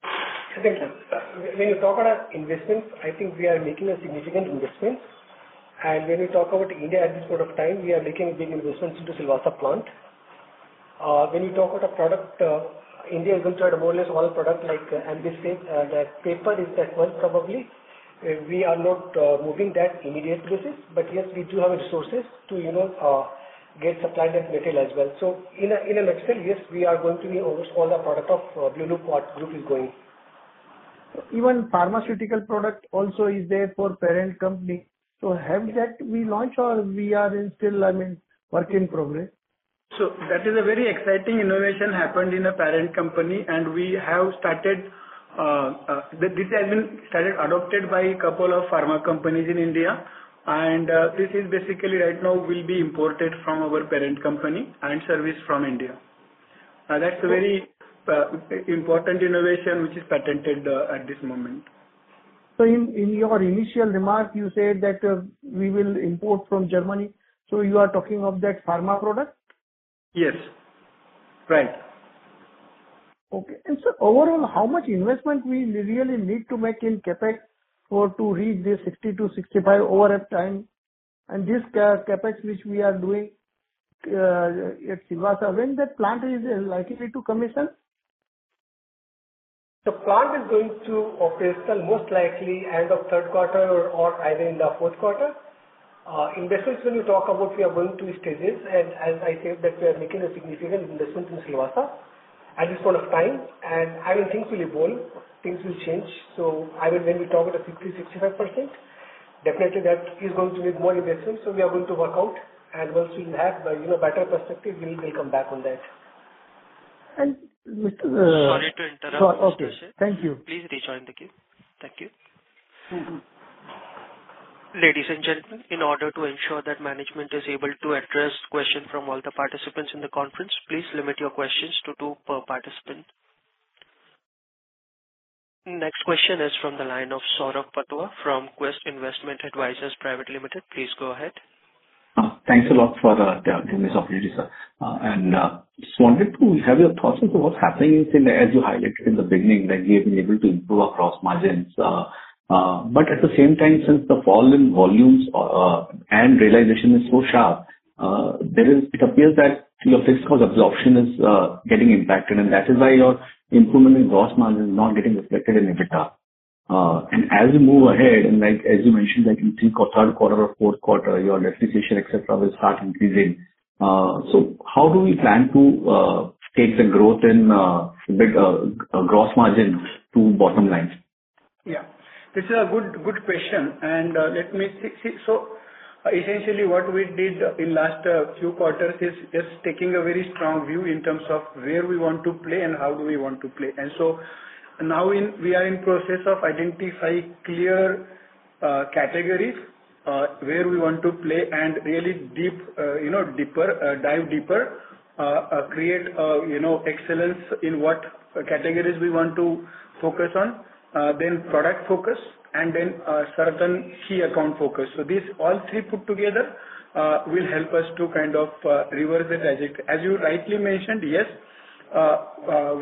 [SPEAKER 4] I think, sir, when you talk about investments, I think we are making a significant investment. When we talk about India at this point of time, we are making big investments into Silvassa plant. When you talk about a product, India is going to have more or less one product likeambisame, the paper is that one probably. We are not moving that immediate basis, but yes, we do have resources to, you know, get supplied with material as well. In a next stage, yes, we are going to be almost all the product of blueloop, what blueloop is going.
[SPEAKER 8] Even pharmaceutical product also is there for parent company. Have that we launched or we are in still, I mean, work in progress?
[SPEAKER 3] That is a very exciting innovation happened in the parent company, this has been started, adopted by a couple of pharma companies in India. This is basically right now will be imported from our parent company and service from India. That's a very important innovation, which is patented, at this moment.
[SPEAKER 8] In your initial remark, you said that, we will import from Germany. You are talking of that pharma product?
[SPEAKER 3] Yes. Right.
[SPEAKER 8] Okay. Overall, how much investment we really need to make in CapEx for to reach this 60-65 crore over a time, and this CapEx, which we are doing, at Silvassa, when that plant is likely to commission?
[SPEAKER 3] The plant is going to operate the most likely end of Q3 or either in the Q4. Investments, when you talk about, we are going two stages, and as I said, that we are making a significant investment in Silvassa at this point of time, and I will think will evolve, things will change. I will when we talk about the 60%-65%, definitely that is going to need more investment. We are going to work out, and once we have a, you know, better perspective, we will come back on that.
[SPEAKER 8] And, uh-
[SPEAKER 1] Sorry to interrupt.
[SPEAKER 8] Okay, thank you.
[SPEAKER 1] Please rejoin the queue. Thank you.
[SPEAKER 3] Mm-hmm.
[SPEAKER 1] Ladies and gentlemen, in order to ensure that management is able to address questions from all the participants in the conference, please limit your questions to 2 per participant. Next question is from the line of Saurabh Patwa from Quest Investment Advisors Private Limited. Please go ahead.
[SPEAKER 9] Thanks a lot for the, giving this opportunity, sir. Just wanted to have your thoughts into what's happening in, as you highlighted in the beginning, that you have been able to improve across margins. At the same time, since the fall in volumes, and realization is so sharp, it appears that your fixed cost absorption is getting impacted, and that is why your improvement in gross margin is not getting reflected in EBITDA. As you move ahead, and like as you mentioned, that you think Q3 or Q4, your monetization, et cetera, will start increasing. How do we plan to take the growth in big, gross margins to bottom line?
[SPEAKER 3] Yeah, it's a good question, let me see. Essentially, what we did in last few quarters is just taking a very strong view in terms of where we want to play and how do we want to play. Now we are in process of identify clear categories where we want to play and really deep, you know, dive deeper, create, you know, excellence in what categories we want to focus on, then product focus and then certain key account focus. These all three put together will help us to kind of reverse it. As you rightly mentioned, yes,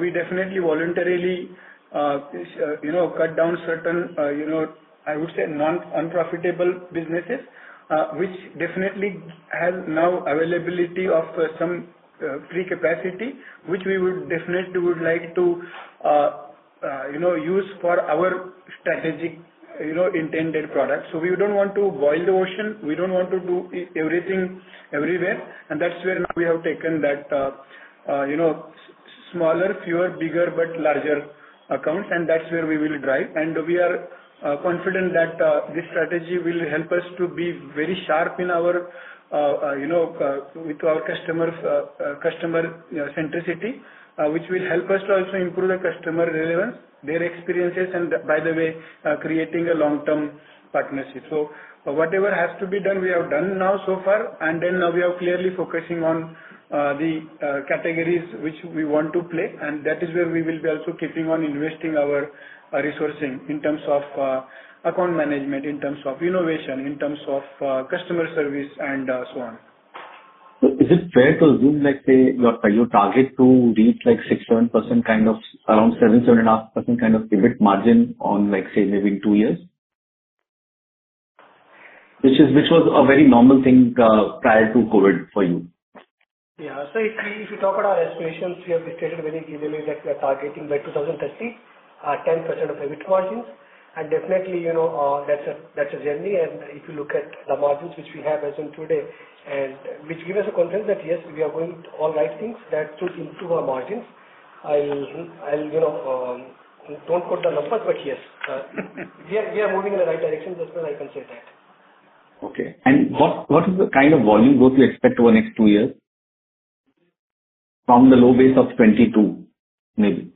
[SPEAKER 3] we definitely voluntarily, you know, cut down certain, you know, I would say, non- unprofitable businesses, which definitely have now availability of some free capacity, which we would definitely would like to, you know, use for our strategic, you know, intended products. We don't want to boil the ocean. We don't want to do everything, everywhere, and that's where now we have taken that, you know, smaller, fewer, bigger, but larger accounts, and that's where we will drive. We are confident that this strategy will help us to be very sharp in our, you know, with our customers, customer centricity, which will help us to also improve the customer relevance, their experiences, and by the way, creating a long-term partnership. Whatever has to be done, we have done now so far, and then now we are clearly focusing on the categories which we want to play, and that is where we will be also keeping on investing our resourcing in terms of account management, in terms of innovation, in terms of customer service, and so on.
[SPEAKER 9] Is it fair to assume, let's say, your target to reach, like, 6%, kind of around 7.5%, kind of, EBIT margin on, like, say, maybe two years? Which was a very normal thing prior to COVID for you.
[SPEAKER 3] Yeah. If you talk about our estimations, we have stated very clearly that we are targeting by 2030, 10% of EBIT margins. Definitely, you know, that's a, that's a journey, if you look at the margins which we have as in today, which give us a confidence that, yes, we are going all right things that should improve our margins. I'll, you know, don't quote the numbers, yes, we are, we are moving in the right direction, that's why I can say that.
[SPEAKER 9] Okay. What is the kind of volume growth you expect over the next two years from the low base of 2022, maybe?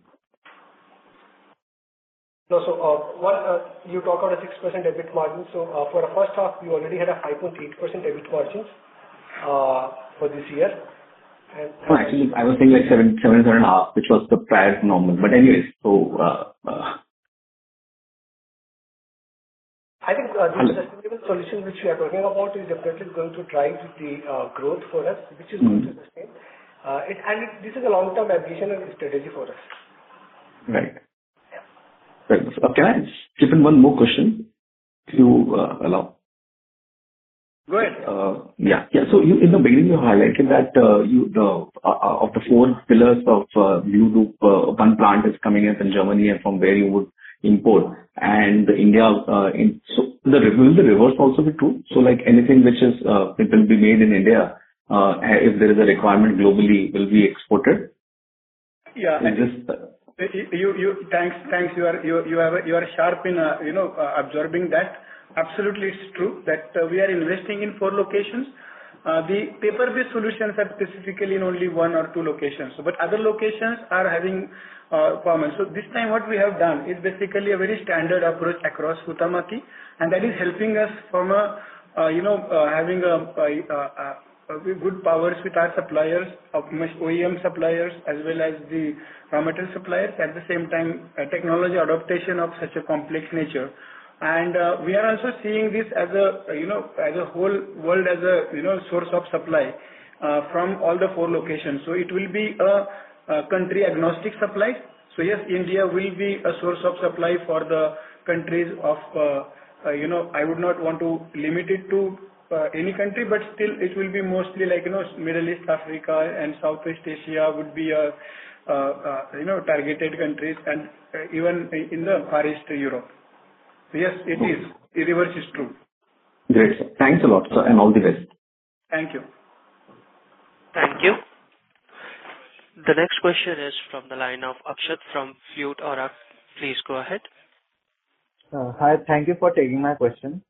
[SPEAKER 3] What, you talk about a 6% EBIT margin. For the H1, you already had a 5.8% EBIT margins, for this year.
[SPEAKER 9] No, actually, I was saying like 7.5, which was the prior normal. Anyways,
[SPEAKER 3] I think the sustainable solution which we are talking about is definitely going to drive the growth for us.
[SPEAKER 9] Mm-hmm.
[SPEAKER 3] which is good. This is a long-term ambition and strategy for us.
[SPEAKER 9] Right.
[SPEAKER 3] Yeah.
[SPEAKER 9] Right. Can I chip in one more question, if you allow?
[SPEAKER 3] Go ahead.
[SPEAKER 9] Yeah. In the beginning, you highlighted that of the four pillars of blueloop, one plant is coming up in Germany and from where you would import and India. Will the reverse also be true? Like anything which is, it will be made in India, if there is a requirement globally, will be exported?
[SPEAKER 3] Yeah.
[SPEAKER 9] And just-
[SPEAKER 3] Thanks, thanks. You are sharp in, you know, observing that. Absolutely, it's true that we are investing in four locations. The paper-based solutions are specifically in only one or two locations, but other locations are having performance. This time what we have done is basically a very standard approach across Huhtamaki, and that is helping us from a, you know, having a good powers with our suppliers, of OEM suppliers, as well as the raw material suppliers. At the same time, technology adaptation of such a complex nature. We are also seeing this as a, you know, as a whole world, as a, you know, source of supply from all the four locations. It will be a country agnostic supply. Yes, India will be a source of supply for the countries of, you know, I would not want to limit it to, any country, but still it will be mostly like, you know, Middle East, Africa and Southwest Asia would be, you know, targeted countries and even in the Far East to Europe. Yes, it is. The reverse is true.
[SPEAKER 5] Great. Thanks a lot, sir, and all the best.
[SPEAKER 3] Thank you.
[SPEAKER 1] Thank you. The next question is from the line of Akshat from Flute Aura. Please go ahead.
[SPEAKER 10] Hi, thank you for taking my question.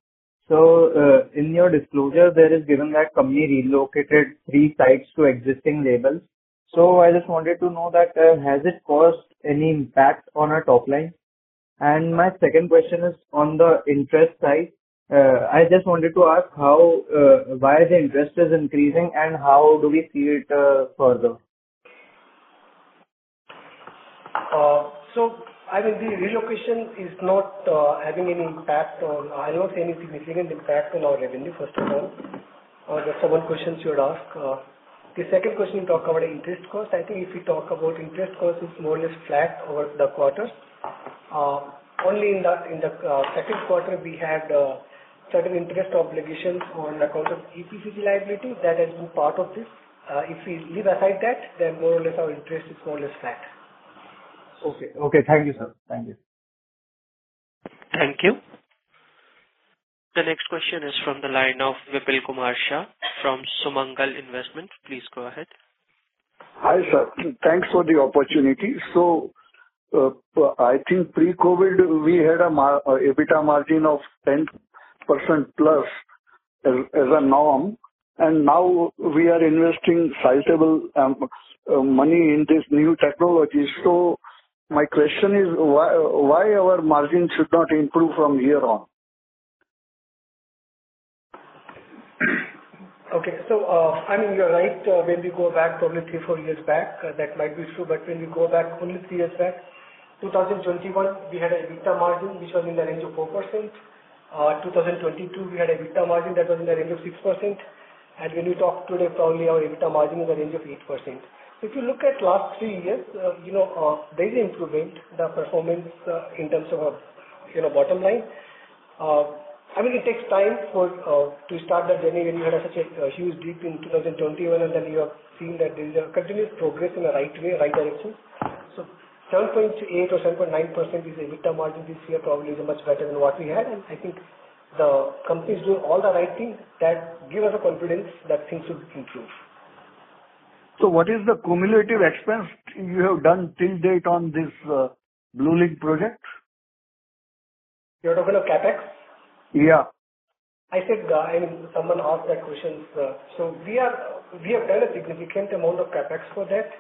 [SPEAKER 10] In your disclosure, there is given that company relocated three sites to existing labels. I just wanted to know that, has it caused any impact on our top line? My second question is on the interest side. I just wanted to ask how, why the interest is increasing and how do we see it, further?
[SPEAKER 3] I mean, I don't see anything significant impact on our revenue, first of all. That's the one question you had asked. The second question you talked about interest cost. I think if you talk about interest cost, it's more or less flat over the quarters. Only in the Q2, we had certain interest obligations on account of ECB liability. That has been part of this. If we leave aside that, then more or less our interest is more or less flat.
[SPEAKER 10] Okay. Okay. Thank you, sir. Thank you.
[SPEAKER 1] Thank you. The next question is from the line of Vipul Kumar Shah from Sumangal Investments. Please go ahead.
[SPEAKER 11] Hi, sir. Thanks for the opportunity. I think pre-COVID, we had a EBITDA margin of 10% plus as a norm. Now we are investing sizable money in this new technology. My question is, why our margin should not improve from here on?
[SPEAKER 3] Okay. I mean, you're right. When we go back probably three, four years back, that might be true, but when we go back only three years back, 2021, we had an EBITDA margin, which was in the range of 4%. 2022, we had EBITDA margin that was in the range of 6%. When you talk today, probably our EBITDA margin is in the range of 8%. If you look at last three years, you know, there is improvement, the performance, in terms of, you know, bottom line. I mean, it takes time for to start that journey when you had such a huge dip in 2021, and then you have seen that there is a continuous progress in the right way, right direction. 7.8% or 7.9% is the EBITDA margin this year, probably is much better than what we had, and I think the company is doing all the right things that give us the confidence that things will improve.
[SPEAKER 11] What is the cumulative expense you have done till date on this, blueloop project?
[SPEAKER 3] You're talking of CapEx?
[SPEAKER 11] Yeah.
[SPEAKER 3] I said, and someone asked that question. We have done a significant amount of CapEx for that,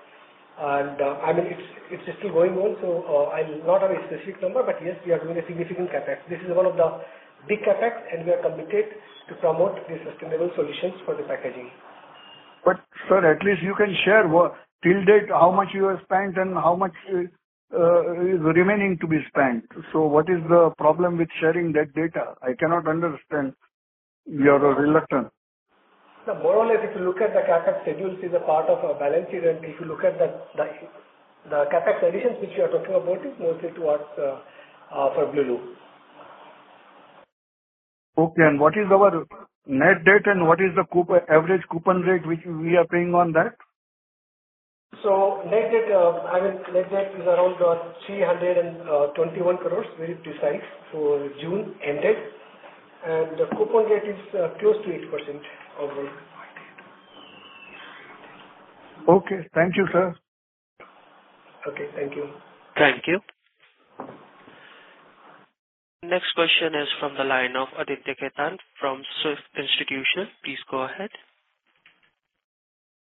[SPEAKER 3] and, I mean, it's still going on, so, I don't have a specific number, but yes, we are doing a significant CapEx. This is one of the big CapEx. We are committed to promote the sustainable solutions for the packaging.
[SPEAKER 11] Sir, at least you can share what... till date, how much you have spent and how much is remaining to be spent. What is the problem with sharing that data? I cannot understand your reluctance.
[SPEAKER 3] More or less, if you look at the CapEx schedules, is a part of our balance sheet, and if you look at the CapEx additions, which you are talking about, is mostly towards for blueloop.
[SPEAKER 11] Okay. What is our net debt, and what is the average coupon rate which we are paying on that?
[SPEAKER 3] Net debt, I mean, net debt is around 321 crores, very precise, for June ended, and the coupon rate is close to 8% overall.
[SPEAKER 11] Okay. Thank you, sir.
[SPEAKER 3] Okay. Thank you.
[SPEAKER 1] Thank you. Next question is from the line of Aditya Khetan from SMIFS Institutional. Please go ahead.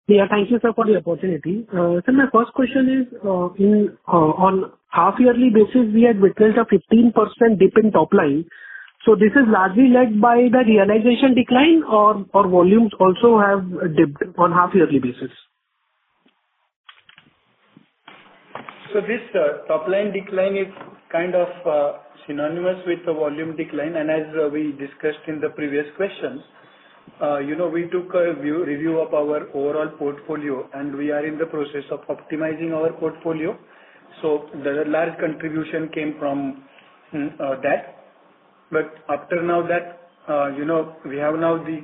[SPEAKER 12] Yeah, thank you, sir, for the opportunity. My first question is, in on half yearly basis, we had witnessed a 15% dip in top line. This is largely led by the realization decline or volumes also have dipped on half yearly basis?
[SPEAKER 3] This top line decline is kind of synonymous with the volume decline. As we discussed in the previous questions, you know, we took a review of our overall portfolio, and we are in the process of optimizing our portfolio. The large contribution came from that. After now that, you know, we have now the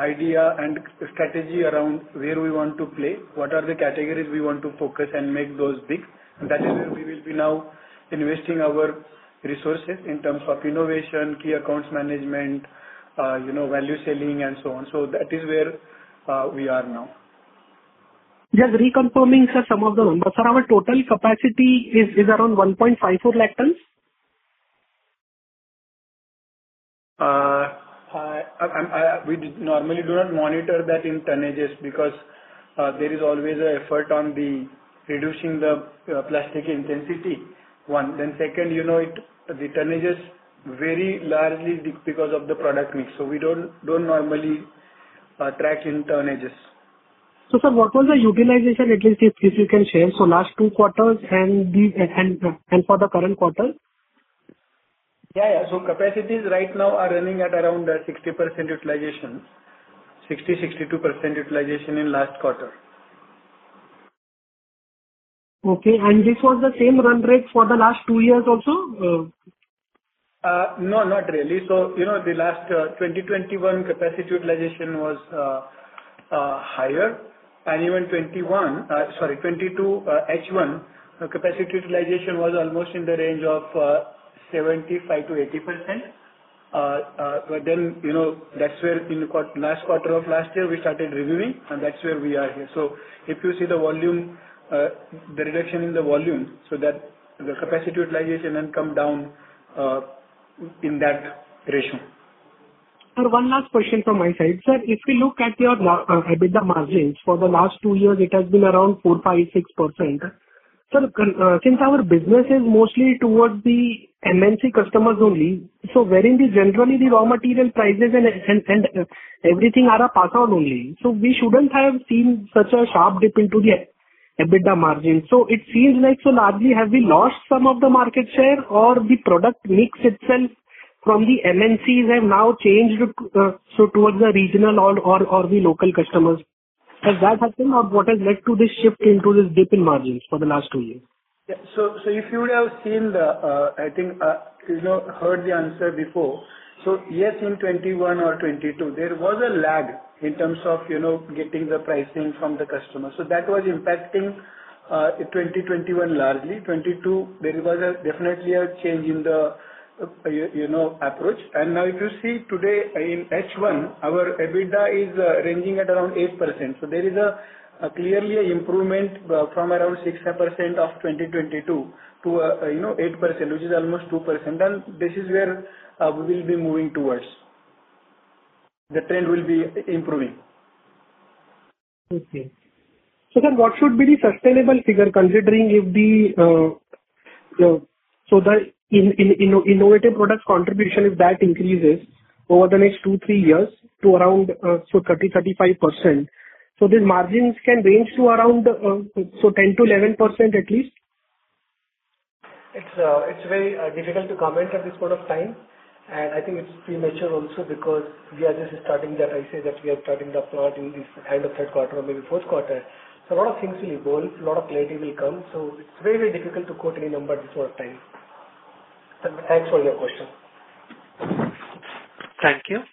[SPEAKER 3] idea and strategy around where we want to play, what are the categories we want to focus and make those big. That is where we will be now investing our resources in terms of innovation, key accounts management, you know, value selling, and so on. That is where we are now.
[SPEAKER 12] Just reconfirming, sir, some of the numbers. Sir, our total capacity is around 1.54 lakh tons?
[SPEAKER 3] We normally do not monitor that in tonnages because there is always an effort on the reducing the plastic intensity, one. Second, you know, it, the tonnages vary largely because of the product mix. We don't normally track in tonnages.
[SPEAKER 12] Sir, what was the utilization, at least if you can share, so last two quarters and for the current quarter?
[SPEAKER 3] Yeah, yeah. Capacities right now are running at around 60% utilization. 60%-62% utilization in last quarter.
[SPEAKER 12] Okay, this was the same run rate for the last two years also?
[SPEAKER 3] No, not really. You know, the last, 2021 capacity utilization was higher, and even 2021, sorry, 2022, H1, the capacity utilization was almost in the range of 75%-80%. You know, that's where in the last quarter of last year we started reviewing, and that's where we are here. If you see the volume, the reduction in the volume, so that the capacity utilization then come down, in that ratio.
[SPEAKER 12] Sir, one last question from my side. Sir, if we look at your mar- EBITDA margins for the last two years, it has been around 4%, 5%, 6%. Sir, con- since our business is mostly towards the MNC customers only, wherein the generally the raw material prices and, everything are a pass on only, we shouldn't have seen such a sharp dip into the EBITDA margin. It seems like so largely, have we lost some of the market share or the product mix itself from the MNCs have now changed, towards the regional or, the local customers? Has that happened, or what has led to this shift into this dip in margins for the last two years?
[SPEAKER 3] Yeah. If you would have seen the, I think, you know, heard the answer before. Yes, in 2021 or 2022, there was a lag in terms of, you know, getting the pricing from the customer. That was impacting, 2021 largely. 2022, there was a definitely a change in the you know, approach. Now if you see today in H1, our EBITDA is ranging at around 8%. There is a, clearly improvement from around 6% of 2022 to you know, 8%, which is almost 2%. This is where we will be moving towards. The trend will be improving.
[SPEAKER 12] Okay. What should be the sustainable figure, considering if the innovative products contribution, if that increases over the next two to three years to around 30%, 35%, these margins can range to around 10%-11%, at least?
[SPEAKER 3] It's, it's very difficult to comment at this point of time, and I think it's premature also because we are just starting the study that we are starting the plot in this end of Q3 or maybe Q4. A lot of things will evolve. A lot of clarity will come. It's very, very difficult to quote any number at this point of time. Thanks for your question.
[SPEAKER 1] Thank you.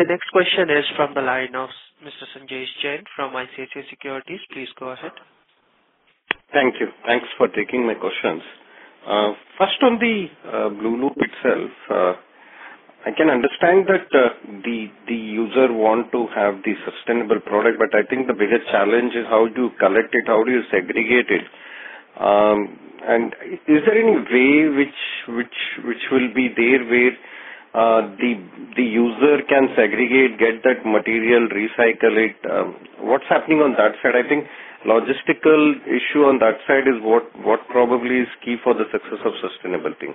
[SPEAKER 1] The next question is from the line of Mr. Sanjesh Jain from ICICI Securities. Please go ahead.
[SPEAKER 2] Thank you. Thanks for taking my questions. First on the blueloop itself, I can understand that the user want to have the sustainable product, but I think the biggest challenge is how do you collect it, how do you segregate it? Is there any way which will be there, where the user can segregate, get that material, recycle it? What's happening on that side? I think logistical issue on that side is what probably is key for the success of sustainability.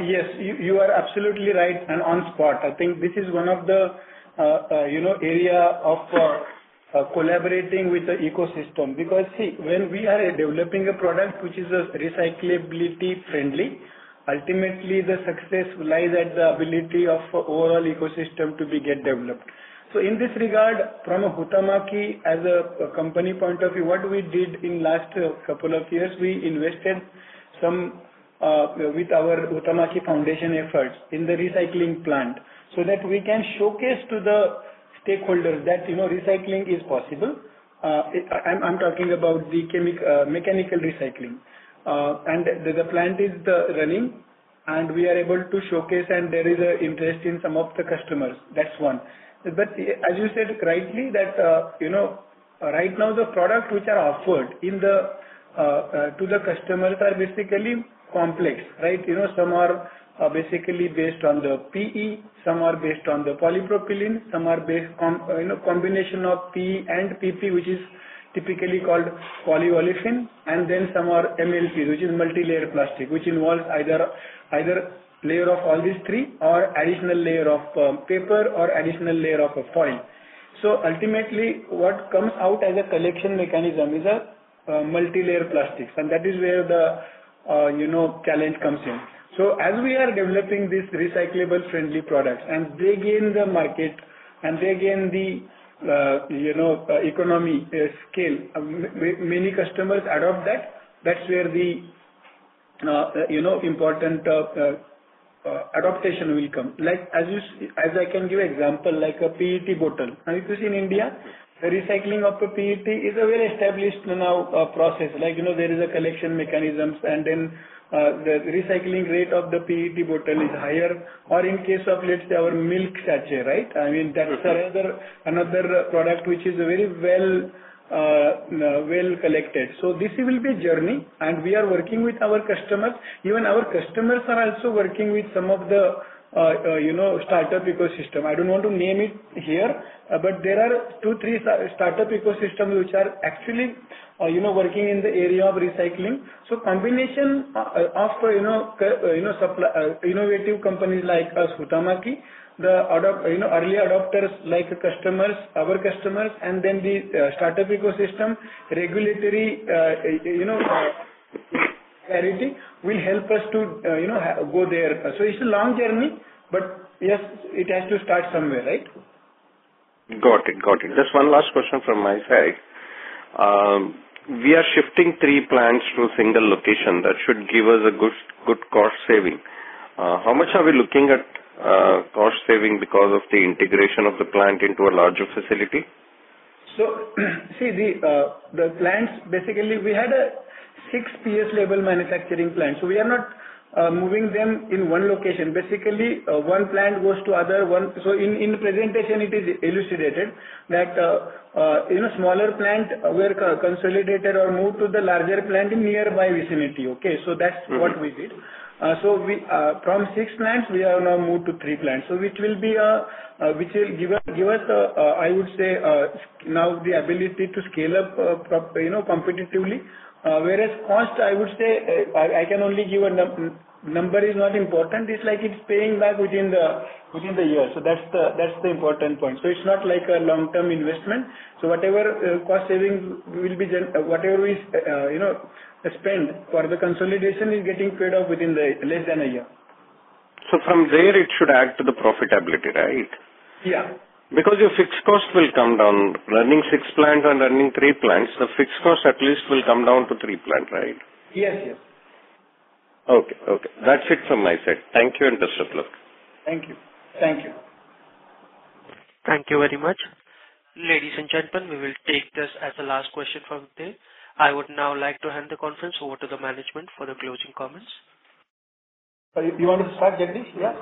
[SPEAKER 3] Yes, you are absolutely right and on spot. I think this is one of the, you know, area of collaborating with the ecosystem. See, when we are developing a product which is a recyclability friendly, ultimately the success lies at the ability of overall ecosystem to be get developed. In this regard, from a Huhtamaki, as a company point of view, what we did in last couple of years, we invested some with our Huhtamaki Foundation efforts in the recycling plant, so that we can showcase to the stakeholders that, you know, recycling is possible. I'm talking about the chemi- mechanical recycling. The plant is running, and we are able to showcase, and there is an interest in some of the customers. That's one. As you said rightly, that, you know, right now the products which are offered in the, to the customers are basically complex, right? You know, some are basically based on the PE, some are based on the polypropylene, some are based on, you know, combination of PE and PP, which is typically called polyolefin, and then some are MLP, which is multilayer plastic, which involves either layer of all these three, or additional layer of paper, or additional layer of a foil. Ultimately, what comes out as a collection mechanism is a multilayer plastics, and that is where the, you know, challenge comes in. As we are developing these recyclable friendly products and they gain the market, and they gain the, you know, economy scale, many customers adopt that's where the, you know, important adaptation will come. Like, as I can give example, like a PET bottle. Now, if you see in India, the recycling of a PET is a very established now process. Like, you know, there is a collection mechanisms, and then the recycling rate of the PET bottle is higher, or in case of, let's say, our milk sachet, right?
[SPEAKER 2] Okay.
[SPEAKER 3] That's another product which is very well collected. This will be journey. We are working with our customers. Even our customers are also working with some of the, you know, startup ecosystem. I don't want to name it here, but there are two, three startup ecosystem which are actually, you know, working in the area of recycling. Combination of, you know, supply... Innovative companies like us, Huhtamaki, the early adopters, like customers, our customers, and then the startup ecosystem, regulatory, you know... will help us to, you know, go there. It's a long journey. Yes, it has to start somewhere, right?
[SPEAKER 2] Got it. Just one last question from my side. We are shifting three plants to a single location. That should give us a good cost saving. How much are we looking at cost saving because of the integration of the plant into a larger facility?
[SPEAKER 3] See the plants, basically, we had a six PS label manufacturing plant, so we are not moving them in one location. Basically, one plant goes to other one. In the presentation, it is illustrated that, in a smaller plant, we are consolidated or moved to the larger plant in nearby vicinity, okay? That's what we did.
[SPEAKER 2] Mm-hmm.
[SPEAKER 3] We, from six plants, we have now moved to three plants. Which will be, which will give us, I would say, now the ability to scale up, you know, competitively. Whereas cost, I would say, I can only give a number is not important. It's like it's paying back within the year. That's the important point. It's not like a long-term investment. Whatever cost saving will be Whatever we, you know, spend for the consolidation is getting paid off within the less than a year.
[SPEAKER 2] From there, it should add to the profitability, right?
[SPEAKER 3] Yeah.
[SPEAKER 2] Your fixed cost will come down. Running six plants and running three plants, the fixed cost at least will come down to three plant, right?
[SPEAKER 3] Yes, yes.
[SPEAKER 2] Okay, okay. That's it from my side. Thank you, and best of luck.
[SPEAKER 3] Thank you. Thank you.
[SPEAKER 1] Thank you very much. Ladies and gentlemen, we will take this as the last question from there. I would now like to hand the conference over to the management for the closing comments.
[SPEAKER 3] Do you want to start, Jagdish? Yeah.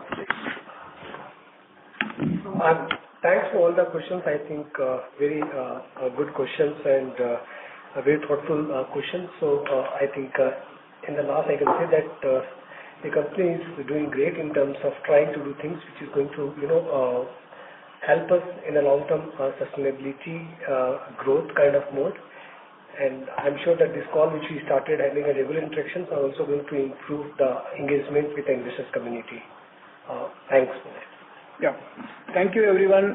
[SPEAKER 4] Thanks for all the questions. I think, very good questions and very thoughtful questions. I think, in the last, I can say that the company is doing great in terms of trying to do things which is going to, you know, help us in the long term sustainability growth kind of mode. I'm sure that this call, which we started having a regular interactions, are also going to improve the engagement with the investors community. Thanks.
[SPEAKER 3] Yeah. Thank you, everyone.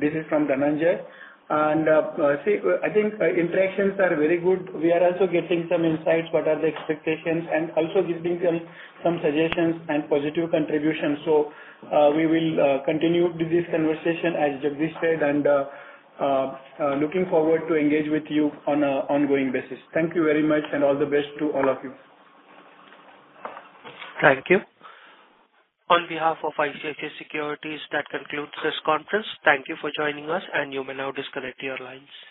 [SPEAKER 3] This is from Dhananjay. See, I think interactions are very good. We are also getting some insights, what are the expectations, and also giving some suggestions and positive contributions. We will continue with this conversation, as Jagdish said, and looking forward to engage with you on an ongoing basis. Thank you very much, and all the best to all of you.
[SPEAKER 1] Thank you. On behalf of ICICI Securities, that concludes this conference. Thank you for joining us, and you may now disconnect your lines.